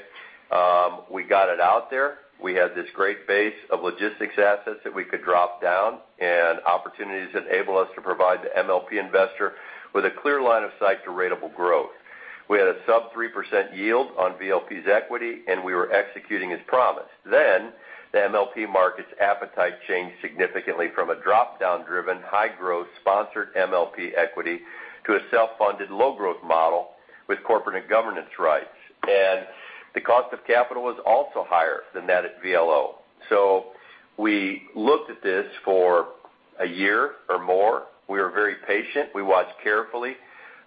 We got it out there. We had this great base of logistics assets that we could drop down and opportunities enable us to provide the MLP investor with a clear line of sight to ratable growth. We had a sub 3% yield on VLP's equity, and we were executing as promised. The MLP market's appetite changed significantly from a drop-down driven, high growth sponsored MLP equity to a self-funded low growth model with corporate and governance rights. The cost of capital was also higher than that at VLO. We looked at this for a year or more. We were very patient. We watched carefully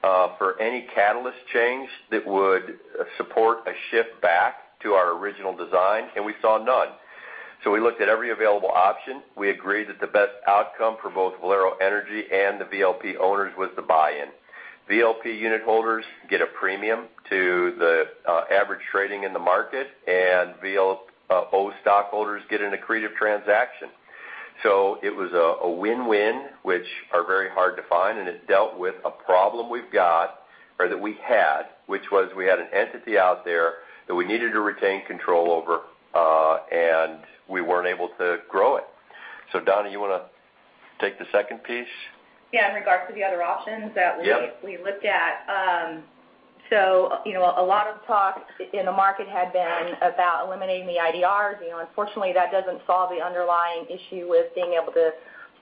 for any catalyst change that would support a shift back to our original design, and we saw none. We looked at every available option. We agreed that the best outcome for both Valero Energy and the VLP owners was the buy-in. VLP unit holders get a premium to the average trading in the market, and VLO stockholders get an accretive transaction. It was a win-win, which are very hard to find, and it dealt with a problem we've got or that we had, which was we had an entity out there that we needed to retain control over and we weren't able to grow it. Donna, you want to take the second piece? Yeah, in regards to the other options that we looked at. Yep. A lot of talk in the market had been about eliminating the IDRs. Unfortunately, that doesn't solve the underlying issue with being able to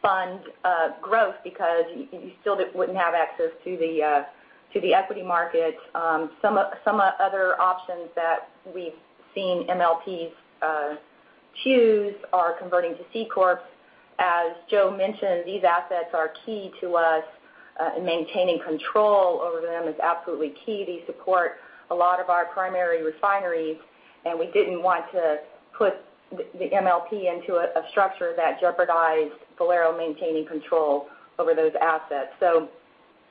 fund growth because you still wouldn't have access to the equity market. Some other options that we've seen MLPs choose are converting to C corp. As Joe mentioned, these assets are key to us, and maintaining control over them is absolutely key. They support a lot of our primary refineries, and we didn't want to put the MLP into a structure that jeopardized Valero maintaining control over those assets.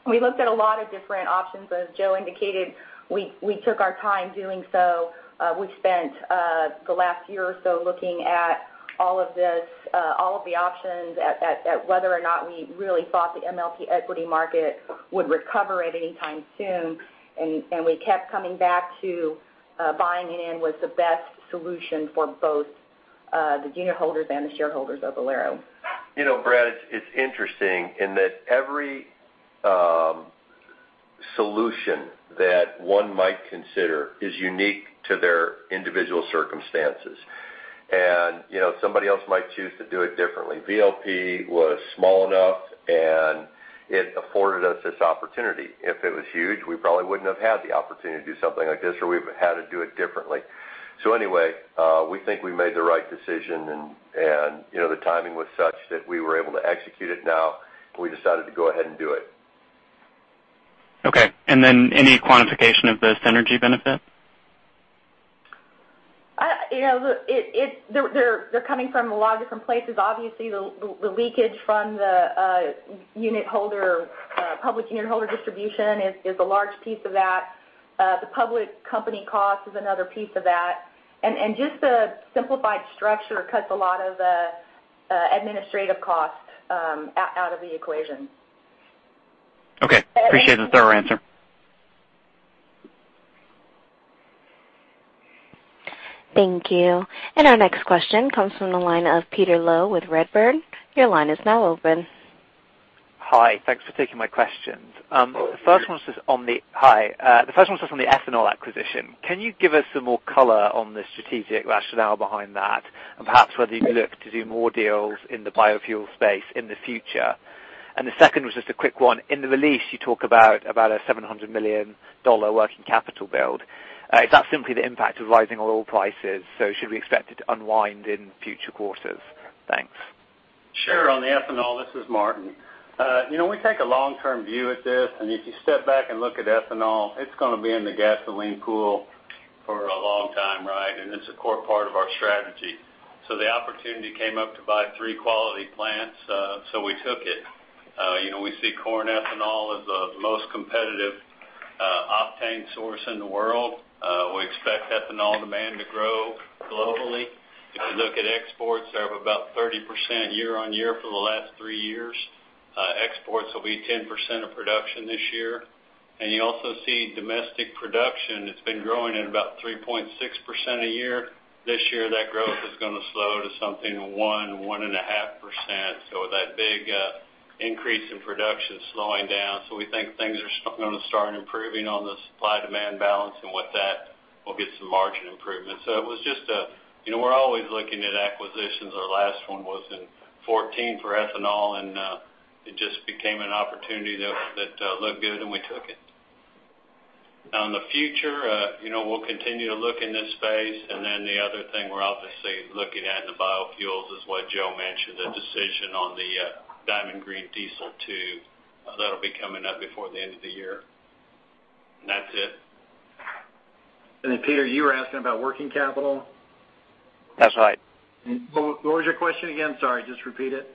We looked at a lot of different options. As Joe indicated, we took our time doing so. We spent the last year or so looking at all of this, all of the options, at whether or not we really thought the MLP equity market would recover at any time soon. We kept coming back to buying it in was the best solution for both the unitholders and the shareholders of Valero. Brad, it's interesting in that every solution that one might consider is unique to their individual circumstances. Somebody else might choose to do it differently. VLP was small enough, and it afforded us this opportunity. If it was huge, we probably wouldn't have had the opportunity to do something like this, or we would've had to do it differently. Anyway, we think we made the right decision, and the timing was such that we were able to execute it now. We decided to go ahead and do it. Okay. Then any quantification of the synergy benefit? They're coming from a lot of different places. Obviously, the leakage from the public unitholder distribution is a large piece of that. The public company cost is another piece of that. Just the simplified structure cuts a lot of the administrative costs out of the equation. Okay. Appreciate the thorough answer. Thank you. Our next question comes from the line of Peter Low with Redburn. Your line is now open. Hi. Thanks for taking my questions. Oh. Hi. The first one's just on the ethanol acquisition. Can you give us some more color on the strategic rationale behind that, and perhaps whether you look to do more deals in the biofuel space in the future? The second was just a quick one. In the release, you talk about a $700 million working capital build. Is that simply the impact of rising oil prices? Should we expect it to unwind in future quarters? Thanks. Sure. On the ethanol, this is Martin. We take a long-term view at this, and if you step back and look at ethanol, it's going to be in the gasoline pool for a long time, right? It's a core part of our strategy. The opportunity came up to buy three quality plants, so we took it. We see corn ethanol as the most competitive octane source in the world. We expect ethanol demand to grow globally. If you look at exports, they're up about 30% year-on-year for the last 3 years. Exports will be 10% of production this year. You also see domestic production that's been growing at about 3.6% a year. This year, that growth is going to slow to something 1%, 1.5%. That big increase in production is slowing down. We think things are going to start improving on the supply-demand balance, and with that, we'll get some margin improvements. We're always looking at acquisitions. Our last one was in 2014 for ethanol, and it just became an opportunity that looked good and we took it. In the future, we'll continue to look in this space, the other thing we're obviously looking at in the biofuels is what Joe Gorder mentioned, the decision on the Diamond Green Diesel 2. That'll be coming up before the end of the year. That's it. Peter Low, you were asking about working capital? That's right. What was your question again? Sorry, just repeat it.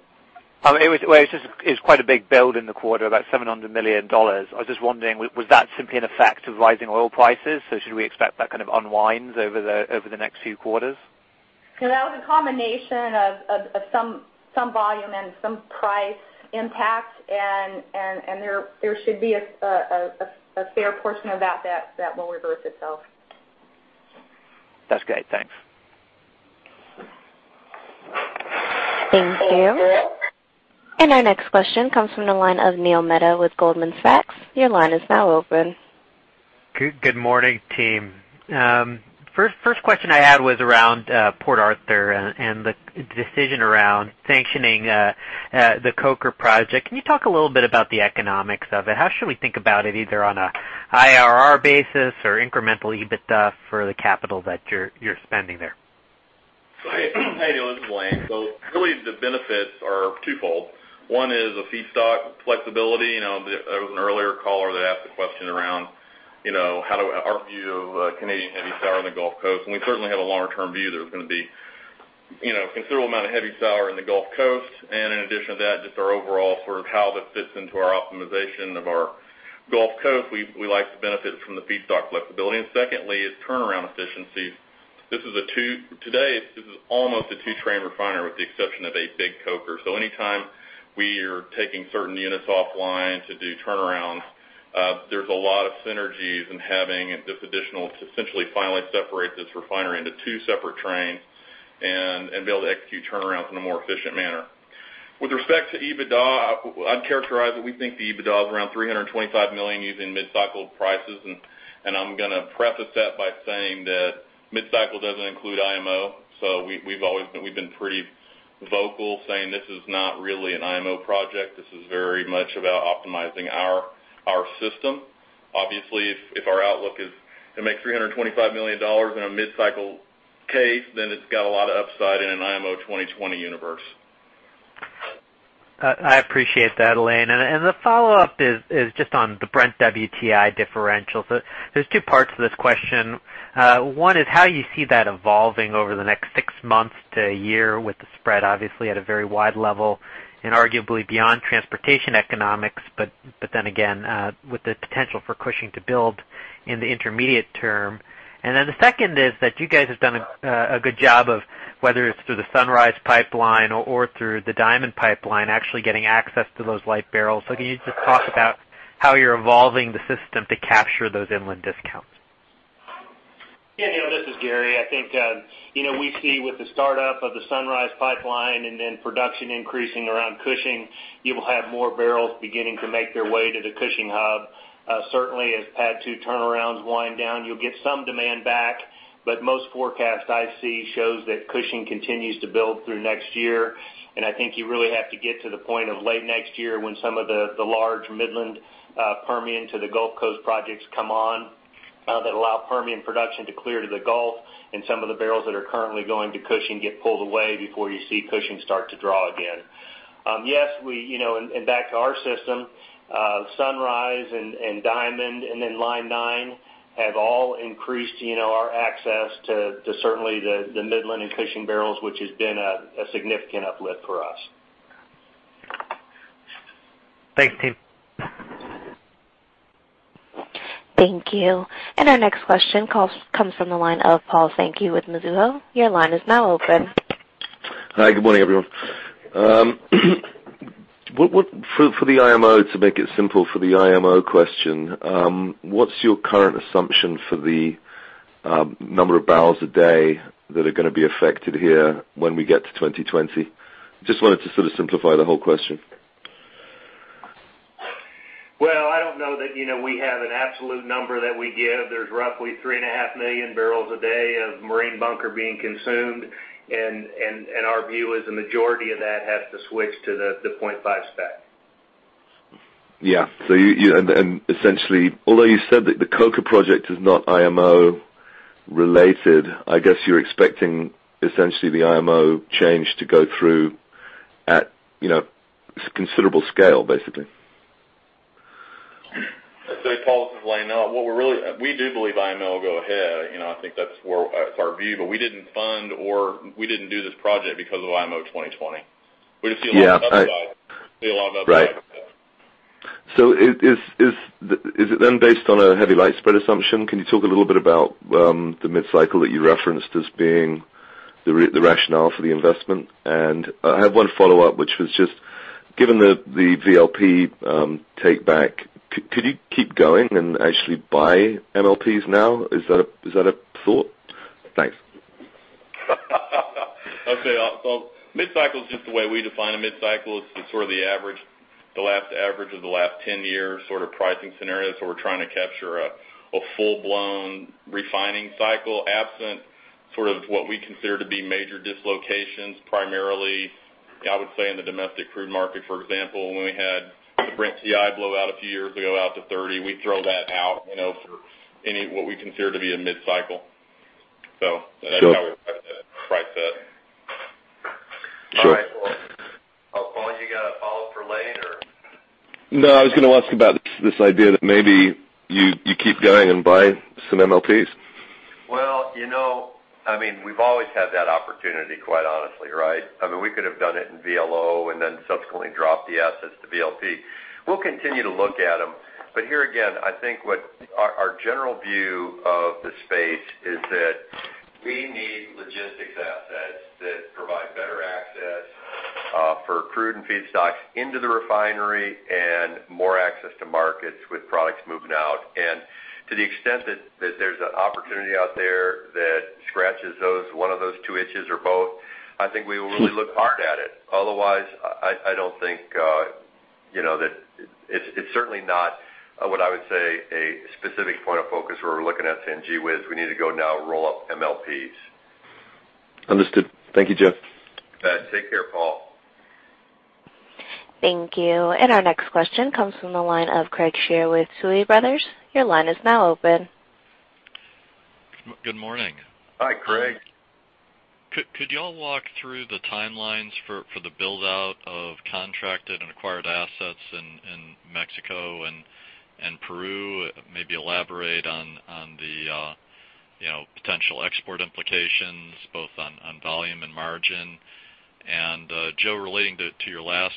It's quite a big build in the quarter, about $700 million. I was just wondering, was that simply an effect of rising oil prices? Should we expect that kind of unwinds over the next few quarters? That was a combination of some volume and some price impact, there should be a fair portion of that that will reverse itself. That's great. Thanks. Thank you. Our next question comes from the line of Neil Mehta with Goldman Sachs. Your line is now open. Good morning, team. First question I had was around Port Arthur and the decision around sanctioning the coker project. Can you talk a little bit about the economics of it? How should we think about it, either on a IRR basis or incremental EBITDA for the capital that you're spending there? Hi, Neil. This is Lane. Really, the benefits are twofold. One is a feedstock flexibility. There was an earlier caller that asked a question around our view of Canadian heavy sour in the Gulf Coast, and we certainly have a longer-term view. There's going to be a considerable amount of heavy sour in the Gulf Coast, in addition to that, just our overall sort of how that fits into our optimization of our Gulf Coast. We like the benefits from the feedstock flexibility. Secondly is turnaround efficiency. Today, this is almost a two-train refinery with the exception of a big coker. Anytime we are taking certain units offline to do turnarounds, there's a lot of synergies in having this additional to essentially finally separate this refinery into two separate trains and be able to execute turnarounds in a more efficient manner. With respect to EBITDA, I'd characterize that we think the EBITDA was around $325 million using mid-cycle prices, I'm going to preface that by saying that mid-cycle doesn't include IMO. We've been pretty vocal saying this is not really an IMO project. This is very much about optimizing our system. Obviously, if our outlook is going to make $325 million in a mid-cycle case, it's got a lot of upside in an IMO 2020 universe. I appreciate that, Lane. The follow-up is just on the Brent-WTI differential. There's two parts to this question. One is how you see that evolving over the next six months to a year with the spread obviously at a very wide level and arguably beyond transportation economics, but then again, with the potential for Cushing to build in the intermediate term. The second is that you guys have done a good job of, whether it's through the Sunrise Pipeline or through the Diamond Pipeline, actually getting access to those light barrels. Can you just talk about how you're evolving the system to capture those inland discounts? Neil, this is Gary. We see with the startup of the Sunrise Pipeline and then production increasing around Cushing, you will have more barrels beginning to make their way to the Cushing Hub. Certainly as PADD 2 turnarounds wind down, you'll get some demand back, but most forecasts I see shows that Cushing continues to build through next year. I think you really have to get to the point of late next year when some of the large Midland, Permian to the Gulf Coast projects come on that allow Permian production to clear to the Gulf, and some of the barrels that are currently going to Cushing get pulled away before you see Cushing start to draw again. Back to our system, Sunrise and Diamond and Line 9 have all increased our access to certainly the Midland and Cushing barrels, which has been a significant uplift for us. Thanks, team. Thank you. Our next question comes from the line of Paul Sankey with Mizuho. Your line is now open. Hi, good morning, everyone. To make it simple for the IMO question, what's your current assumption for the number of barrels a day that are going to be affected here when we get to 2020? Just wanted to sort of simplify the whole question. Well, I don't know that we have an absolute number that we give. There's roughly 3.5 million barrels a day of marine bunker being consumed, and our view is the majority of that has to switch to the 0.5 spec. Yeah. Although you said that the Coker project is not IMO related, I guess you're expecting essentially the IMO change to go through at considerable scale, basically. I'd say, Paul, this is Lane. We do believe IMO will go ahead. I think that's our view. We didn't fund or we didn't do this project because of IMO 2020. We just see. Yeah. See a lot of other guys. Right. Is it then based on a heavy light spread assumption? Can you talk a little bit about the mid-cycle that you referenced as being the rationale for the investment? I have one follow-up, which was just given the VLP take back, could you keep going and actually buy MLPs now? Is that a thought? Thanks. I'd say, mid-cycle is just the way we define a mid-cycle. It's sort of the average of the last 10 years sort of pricing scenario. We're trying to capture a full-blown refining cycle absent sort of what we consider to be major dislocations, primarily, I would say in the domestic crude market, for example, when we had the Brent-WTI blow out a few years ago out to 30. We'd throw that out for what we consider to be a mid-cycle. That's how we price that. Sure. All right. Well, Paul, you got a follow-up for Lane, or? No, I was going to ask about this idea that maybe you keep going and buy some MLPs. Well, we've always had that opportunity, quite honestly, right? We could have done it in VLO and then subsequently dropped the assets to VLP. We'll continue to look at them. Here again, I think our general view of the space is that we need logistics assets that provide better access for crude and feedstocks into the refinery and more access to markets with products moving out. To the extent that there's an opportunity out there that scratches one of those two itches or both, I think we will really look hard at it. Otherwise, it's certainly not what I would say a specific point of focus where we're looking at saying, "Gee, whiz, we need to go now roll up MLPs. Understood. Thank you, Joe. You bet. Take care, Paul. Thank you. Our next question comes from the line of Craig Shere with Tuohy Brothers. Your line is now open. Good morning. Hi, Craig. Could you all walk through the timelines for the build-out of contracted and acquired assets in Mexico and Peru? Maybe elaborate on the potential export implications, both on volume and margin. Joe, relating to your last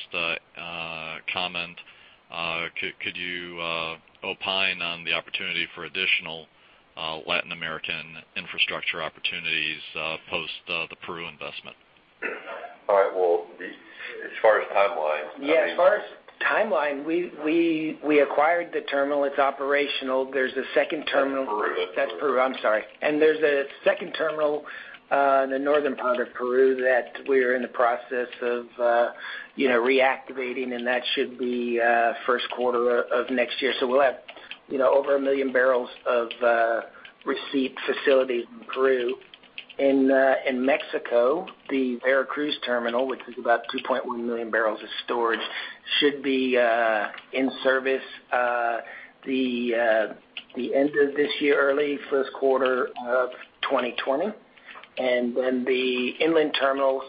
comment, could you opine on the opportunity for additional Latin American infrastructure opportunities post the Peru investment? All right. As far as timeline. As far as timeline, we acquired the terminal. It's operational. There's a second terminal. That's Peru. That's Peru. I'm sorry. There's a second terminal in the northern part of Peru that we're in the process of reactivating. That should be first quarter of next year. We'll have over 1 million barrels of receipt facility in Peru. In Mexico, the Veracruz terminal, which is about 2.1 million barrels of storage Should be in service the end of this year, early first quarter of 2020. The inland terminals,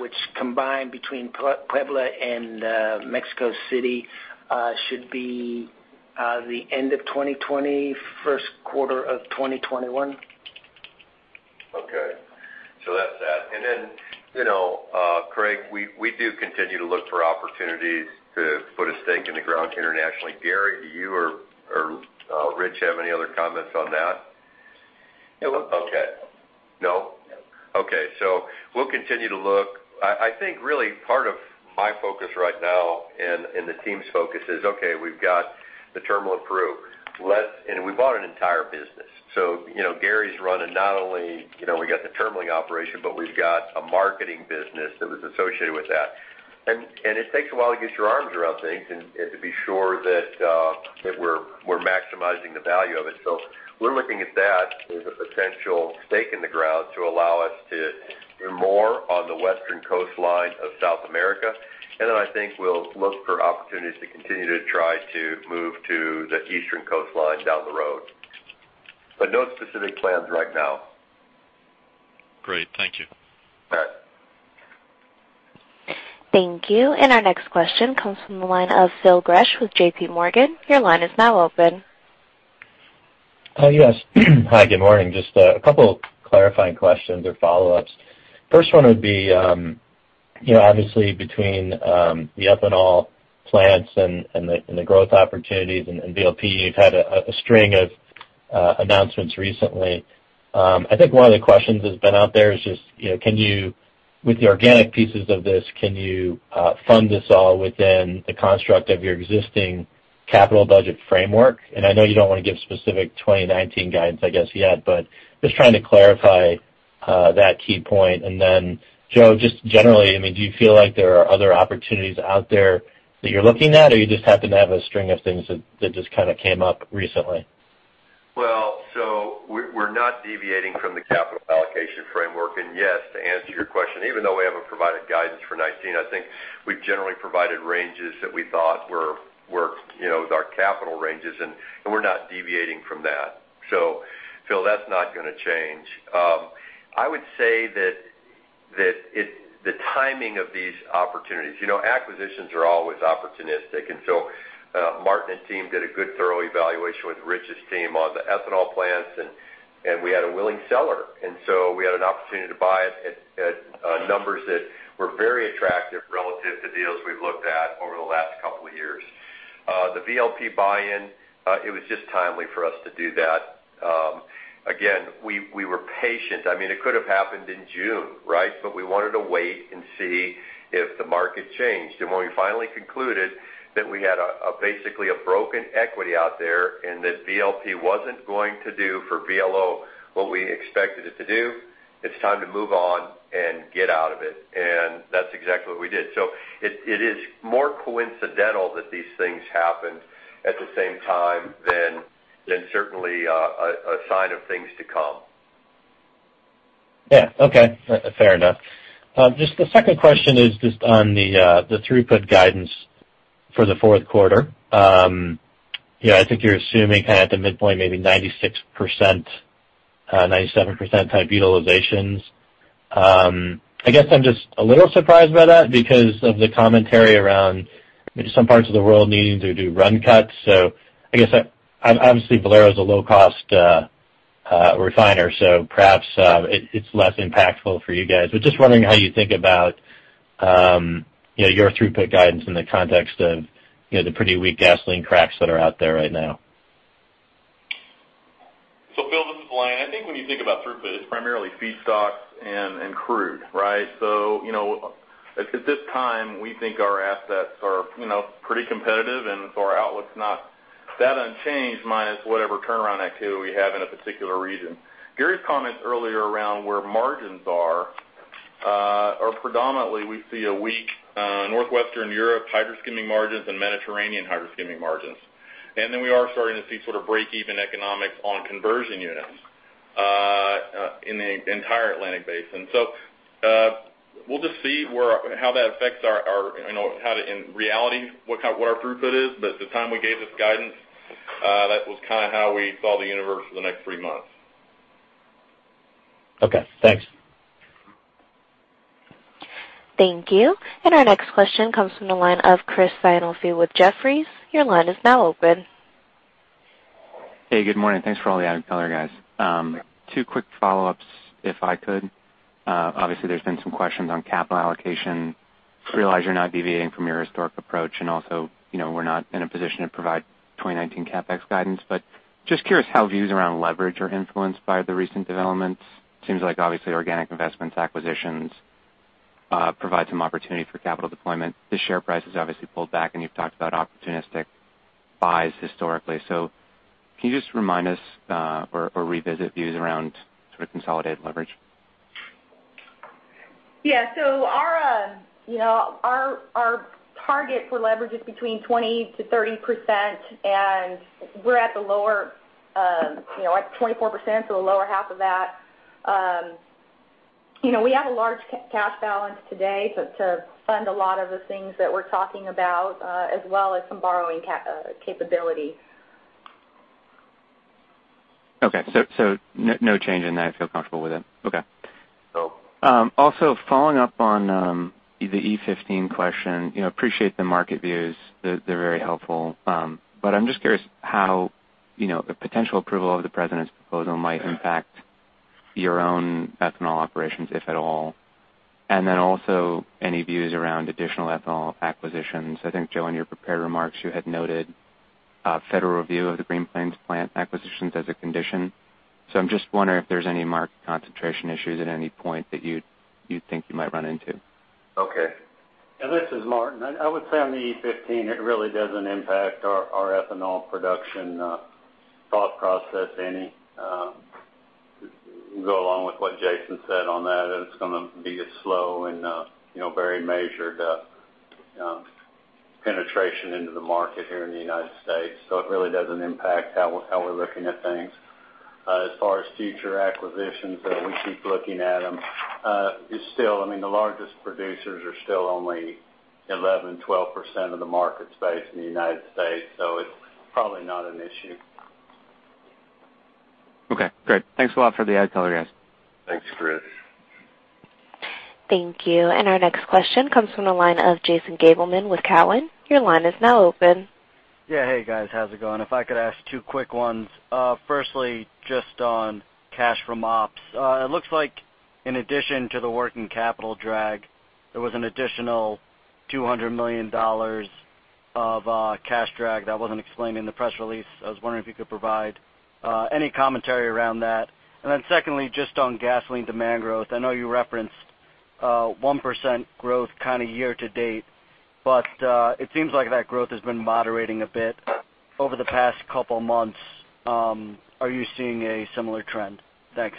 which combine between Puebla and Mexico City, should be the end of 2020, first quarter of 2021. Okay. That's that. Craig, we do continue to look for opportunities to put a stake in the ground internationally. Gary, do you or Rich have any other comments on that? No. Okay. No? No. Okay. We'll continue to look. I think really part of my focus right now and the team's focus is, okay, we've got the terminal approved. We bought an entire business. Gary's running, not only, we got the terminal operation, but we've got a marketing business that was associated with that. It takes a while to get your arms around things and to be sure that we're maximizing the value of it. We're looking at that as a potential stake in the ground to allow us to do more on the western coastline of South America. I think we'll look for opportunities to continue to try to move to the eastern coastline down the road. No specific plans right now. Great. Thank you. All right. Thank you. Our next question comes from the line of Phil Gresh with JPMorgan. Your line is now open. Yes. Hi, good morning. Just a couple clarifying questions or follow-ups. First one would be, obviously between the ethanol plants and the growth opportunities and VLP, you've had a string of announcements recently. I think one of the questions that's been out there is just, with the organic pieces of this, can you fund this all within the construct of your existing capital budget framework? And I know you don't want to give specific 2019 guidance, I guess, yet, but just trying to clarify that key point. Then, Joe, just generally, do you feel like there are other opportunities out there that you're looking at, or you just happen to have a string of things that just kind of came up recently? Well, we're not deviating from the capital allocation framework. Yes, to answer your question, even though we haven't provided guidance for 2019, I think we've generally provided ranges that we thought were our capital ranges, and we're not deviating from that. Phil, that's not going to change. I would say that the timing of these opportunities. Acquisitions are always opportunistic, so Martin and team did a good thorough evaluation with Rich's team on the ethanol plants, and we had a willing seller. So we had an opportunity to buy it at numbers that were very attractive relative to deals we've looked at over the last couple of years. The VLP buy-in, it was just timely for us to do that. Again, we were patient. It could have happened in June, right? We wanted to wait and see if the market changed. When we finally concluded that we had basically a broken equity out there and that VLP wasn't going to do for VLO what we expected it to do, it's time to move on and get out of it. That's exactly what we did. It is more coincidental that these things happened at the same time than certainly a sign of things to come. Yeah. Okay. Fair enough. Just the second question is just on the throughput guidance for the fourth quarter. I think you're assuming kind of at the midpoint, maybe 96%, 97% type utilizations. I guess I'm just a little surprised by that because of the commentary around maybe some parts of the world needing to do run cuts. I guess, obviously Valero is a low-cost refiner, so perhaps it's less impactful for you guys. Just wondering how you think about your throughput guidance in the context of the pretty weak gasoline cracks that are out there right now. Phil, this is Lane Riggs. I think when you think about throughput, it's primarily feedstock and crude, right? At this time, we think our assets are pretty competitive our outlook's not that unchanged minus whatever turnaround activity we have in a particular region. Gary's comments earlier around where margins are predominantly we see a weak Northwestern Europe hydro skimming margins and Mediterranean hydro skimming margins. We are starting to see sort of breakeven economics on conversion units in the entire Atlantic basin. We'll just see how that affects in reality, what our throughput is. At the time we gave this guidance, that was kind of how we saw the universe for the next three months. Okay, thanks. Thank you. Our next question comes from the line of Chris Sighinolfi with Jefferies. Your line is now open. Hey, good morning. Thanks for all the added color, guys. Two quick follow-ups if I could. Obviously, there's been some questions on capital allocation. Realize you're not deviating from your historic approach and also, we're not in a position to provide 2019 CapEx guidance. Just curious how views around leverage are influenced by the recent developments. Seems like obviously organic investments, acquisitions provide some opportunity for capital deployment. The share price has obviously pulled back, and you've talked about opportunistic buys historically. Can you just remind us or revisit views around sort of consolidated leverage? Our target for leverage is between 20%-30%, and we're at the lower, at 24%, the lower half of that. We have a large cash balance today to fund a lot of the things that we're talking about, as well as some borrowing capability. Okay. No change in that. I feel comfortable with it. Okay. Cool. Also following up on the E15 question. Appreciate the market views. They're very helpful. I'm just curious how the potential approval of the President's proposal might impact your own ethanol operations, if at all. Also any views around additional ethanol acquisitions. I think, Joe, in your prepared remarks, you had noted federal review of the Green Plains plant acquisitions as a condition. I'm just wondering if there's any market concentration issues at any point that you think you might run into. Okay. This is Martin. I would say on the E15, it really doesn't impact our ethanol production thought process any. Go along with what Jason said on that. It's going to be a slow and very measured penetration into the market here in the United States. It really doesn't impact how we're looking at things. As far as future acquisitions, we keep looking at them. The largest producers are still only 11%-12% of the market space in the United States, it's probably not an issue. Okay, great. Thanks a lot for the IR call, guys. Thanks, Chris. Thank you. Our next question comes from the line of Jason Gabelman with Cowen. Your line is now open. Yeah. Hey, guys. How's it going? If I could ask two quick ones. Firstly, just on cash from ops. It looks like in addition to the working capital drag, there was an additional $200 million of cash drag that wasn't explained in the press release. I was wondering if you could provide any commentary around that. Secondly, just on gasoline demand growth. I know you referenced 1% growth year to date, but it seems like that growth has been moderating a bit over the past couple of months. Are you seeing a similar trend? Thanks.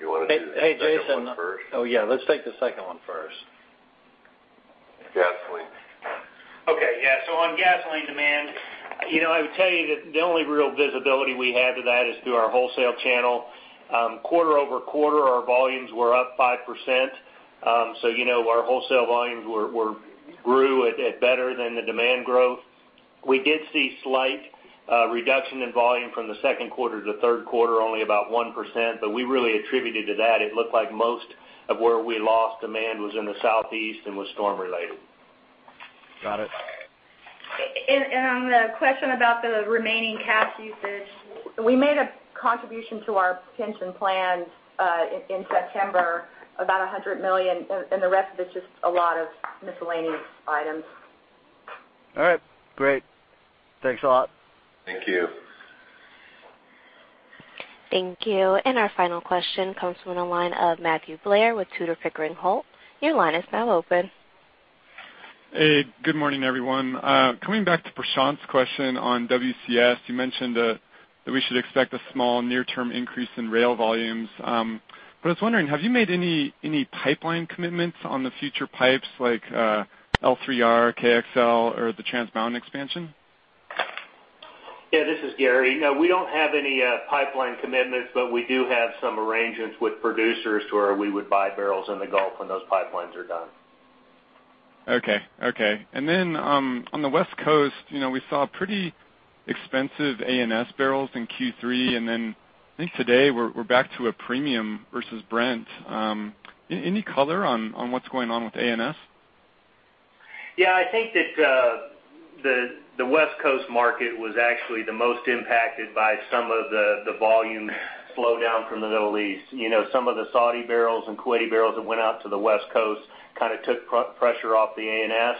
You want to do the second one first? Oh, yeah. Let's take the second one first. Gasoline. Okay. Yeah. On gasoline demand, I would tell you that the only real visibility we have to that is through our wholesale channel. Quarter-over-quarter, our volumes were up 5%. Our wholesale volumes grew at better than the demand growth. We did see slight reduction in volume from the second quarter to the third quarter, only about 1%, but we really attributed to that. It looked like most of where we lost demand was in the Southeast and was storm related. Got it. On the question about the remaining cash usage, we made a contribution to our pension plans in September, about $100 million. The rest of it's just a lot of miscellaneous items. All right, great. Thanks a lot. Thank you. Thank you. Our final question comes from the line of Matthew Blair with Tudor, Pickering, Holt. Your line is now open. Hey, good morning, everyone. Coming back to Prashant's question on WCS, you mentioned that we should expect a small near-term increase in rail volumes. I was wondering, have you made any pipeline commitments on the future pipes like L3R, KXL, or the Trans Mountain expansion? Yeah, this is Gary. We don't have any pipeline commitments, we do have some arrangements with producers to where we would buy barrels in the Gulf when those pipelines are done. Okay. On the West Coast, we saw pretty expensive ANS barrels in Q3, I think today we're back to a premium versus Brent. Any color on what's going on with ANS? Yeah, I think that the West Coast market was actually the most impacted by some of the volume slowdown from the Middle East. Some of the Saudi barrels and Kuwaiti barrels that went out to the West Coast took pressure off the ANS.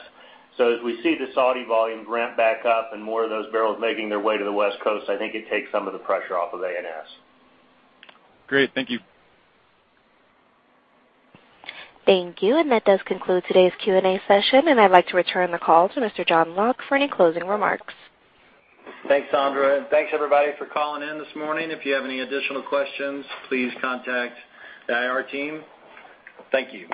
As we see the Saudi volumes ramp back up and more of those barrels making their way to the West Coast, I think it takes some of the pressure off of ANS. Great. Thank you. Thank you. That does conclude today's Q&A session, and I'd like to return the call to Mr. John Locke for any closing remarks. Thanks, Sandra. Thanks, everybody, for calling in this morning. If you have any additional questions, please contact the IR team. Thank you.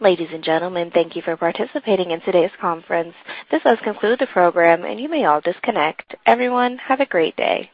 Ladies and gentlemen, thank you for participating in today's conference. This does conclude the program, and you may all disconnect. Everyone, have a great day.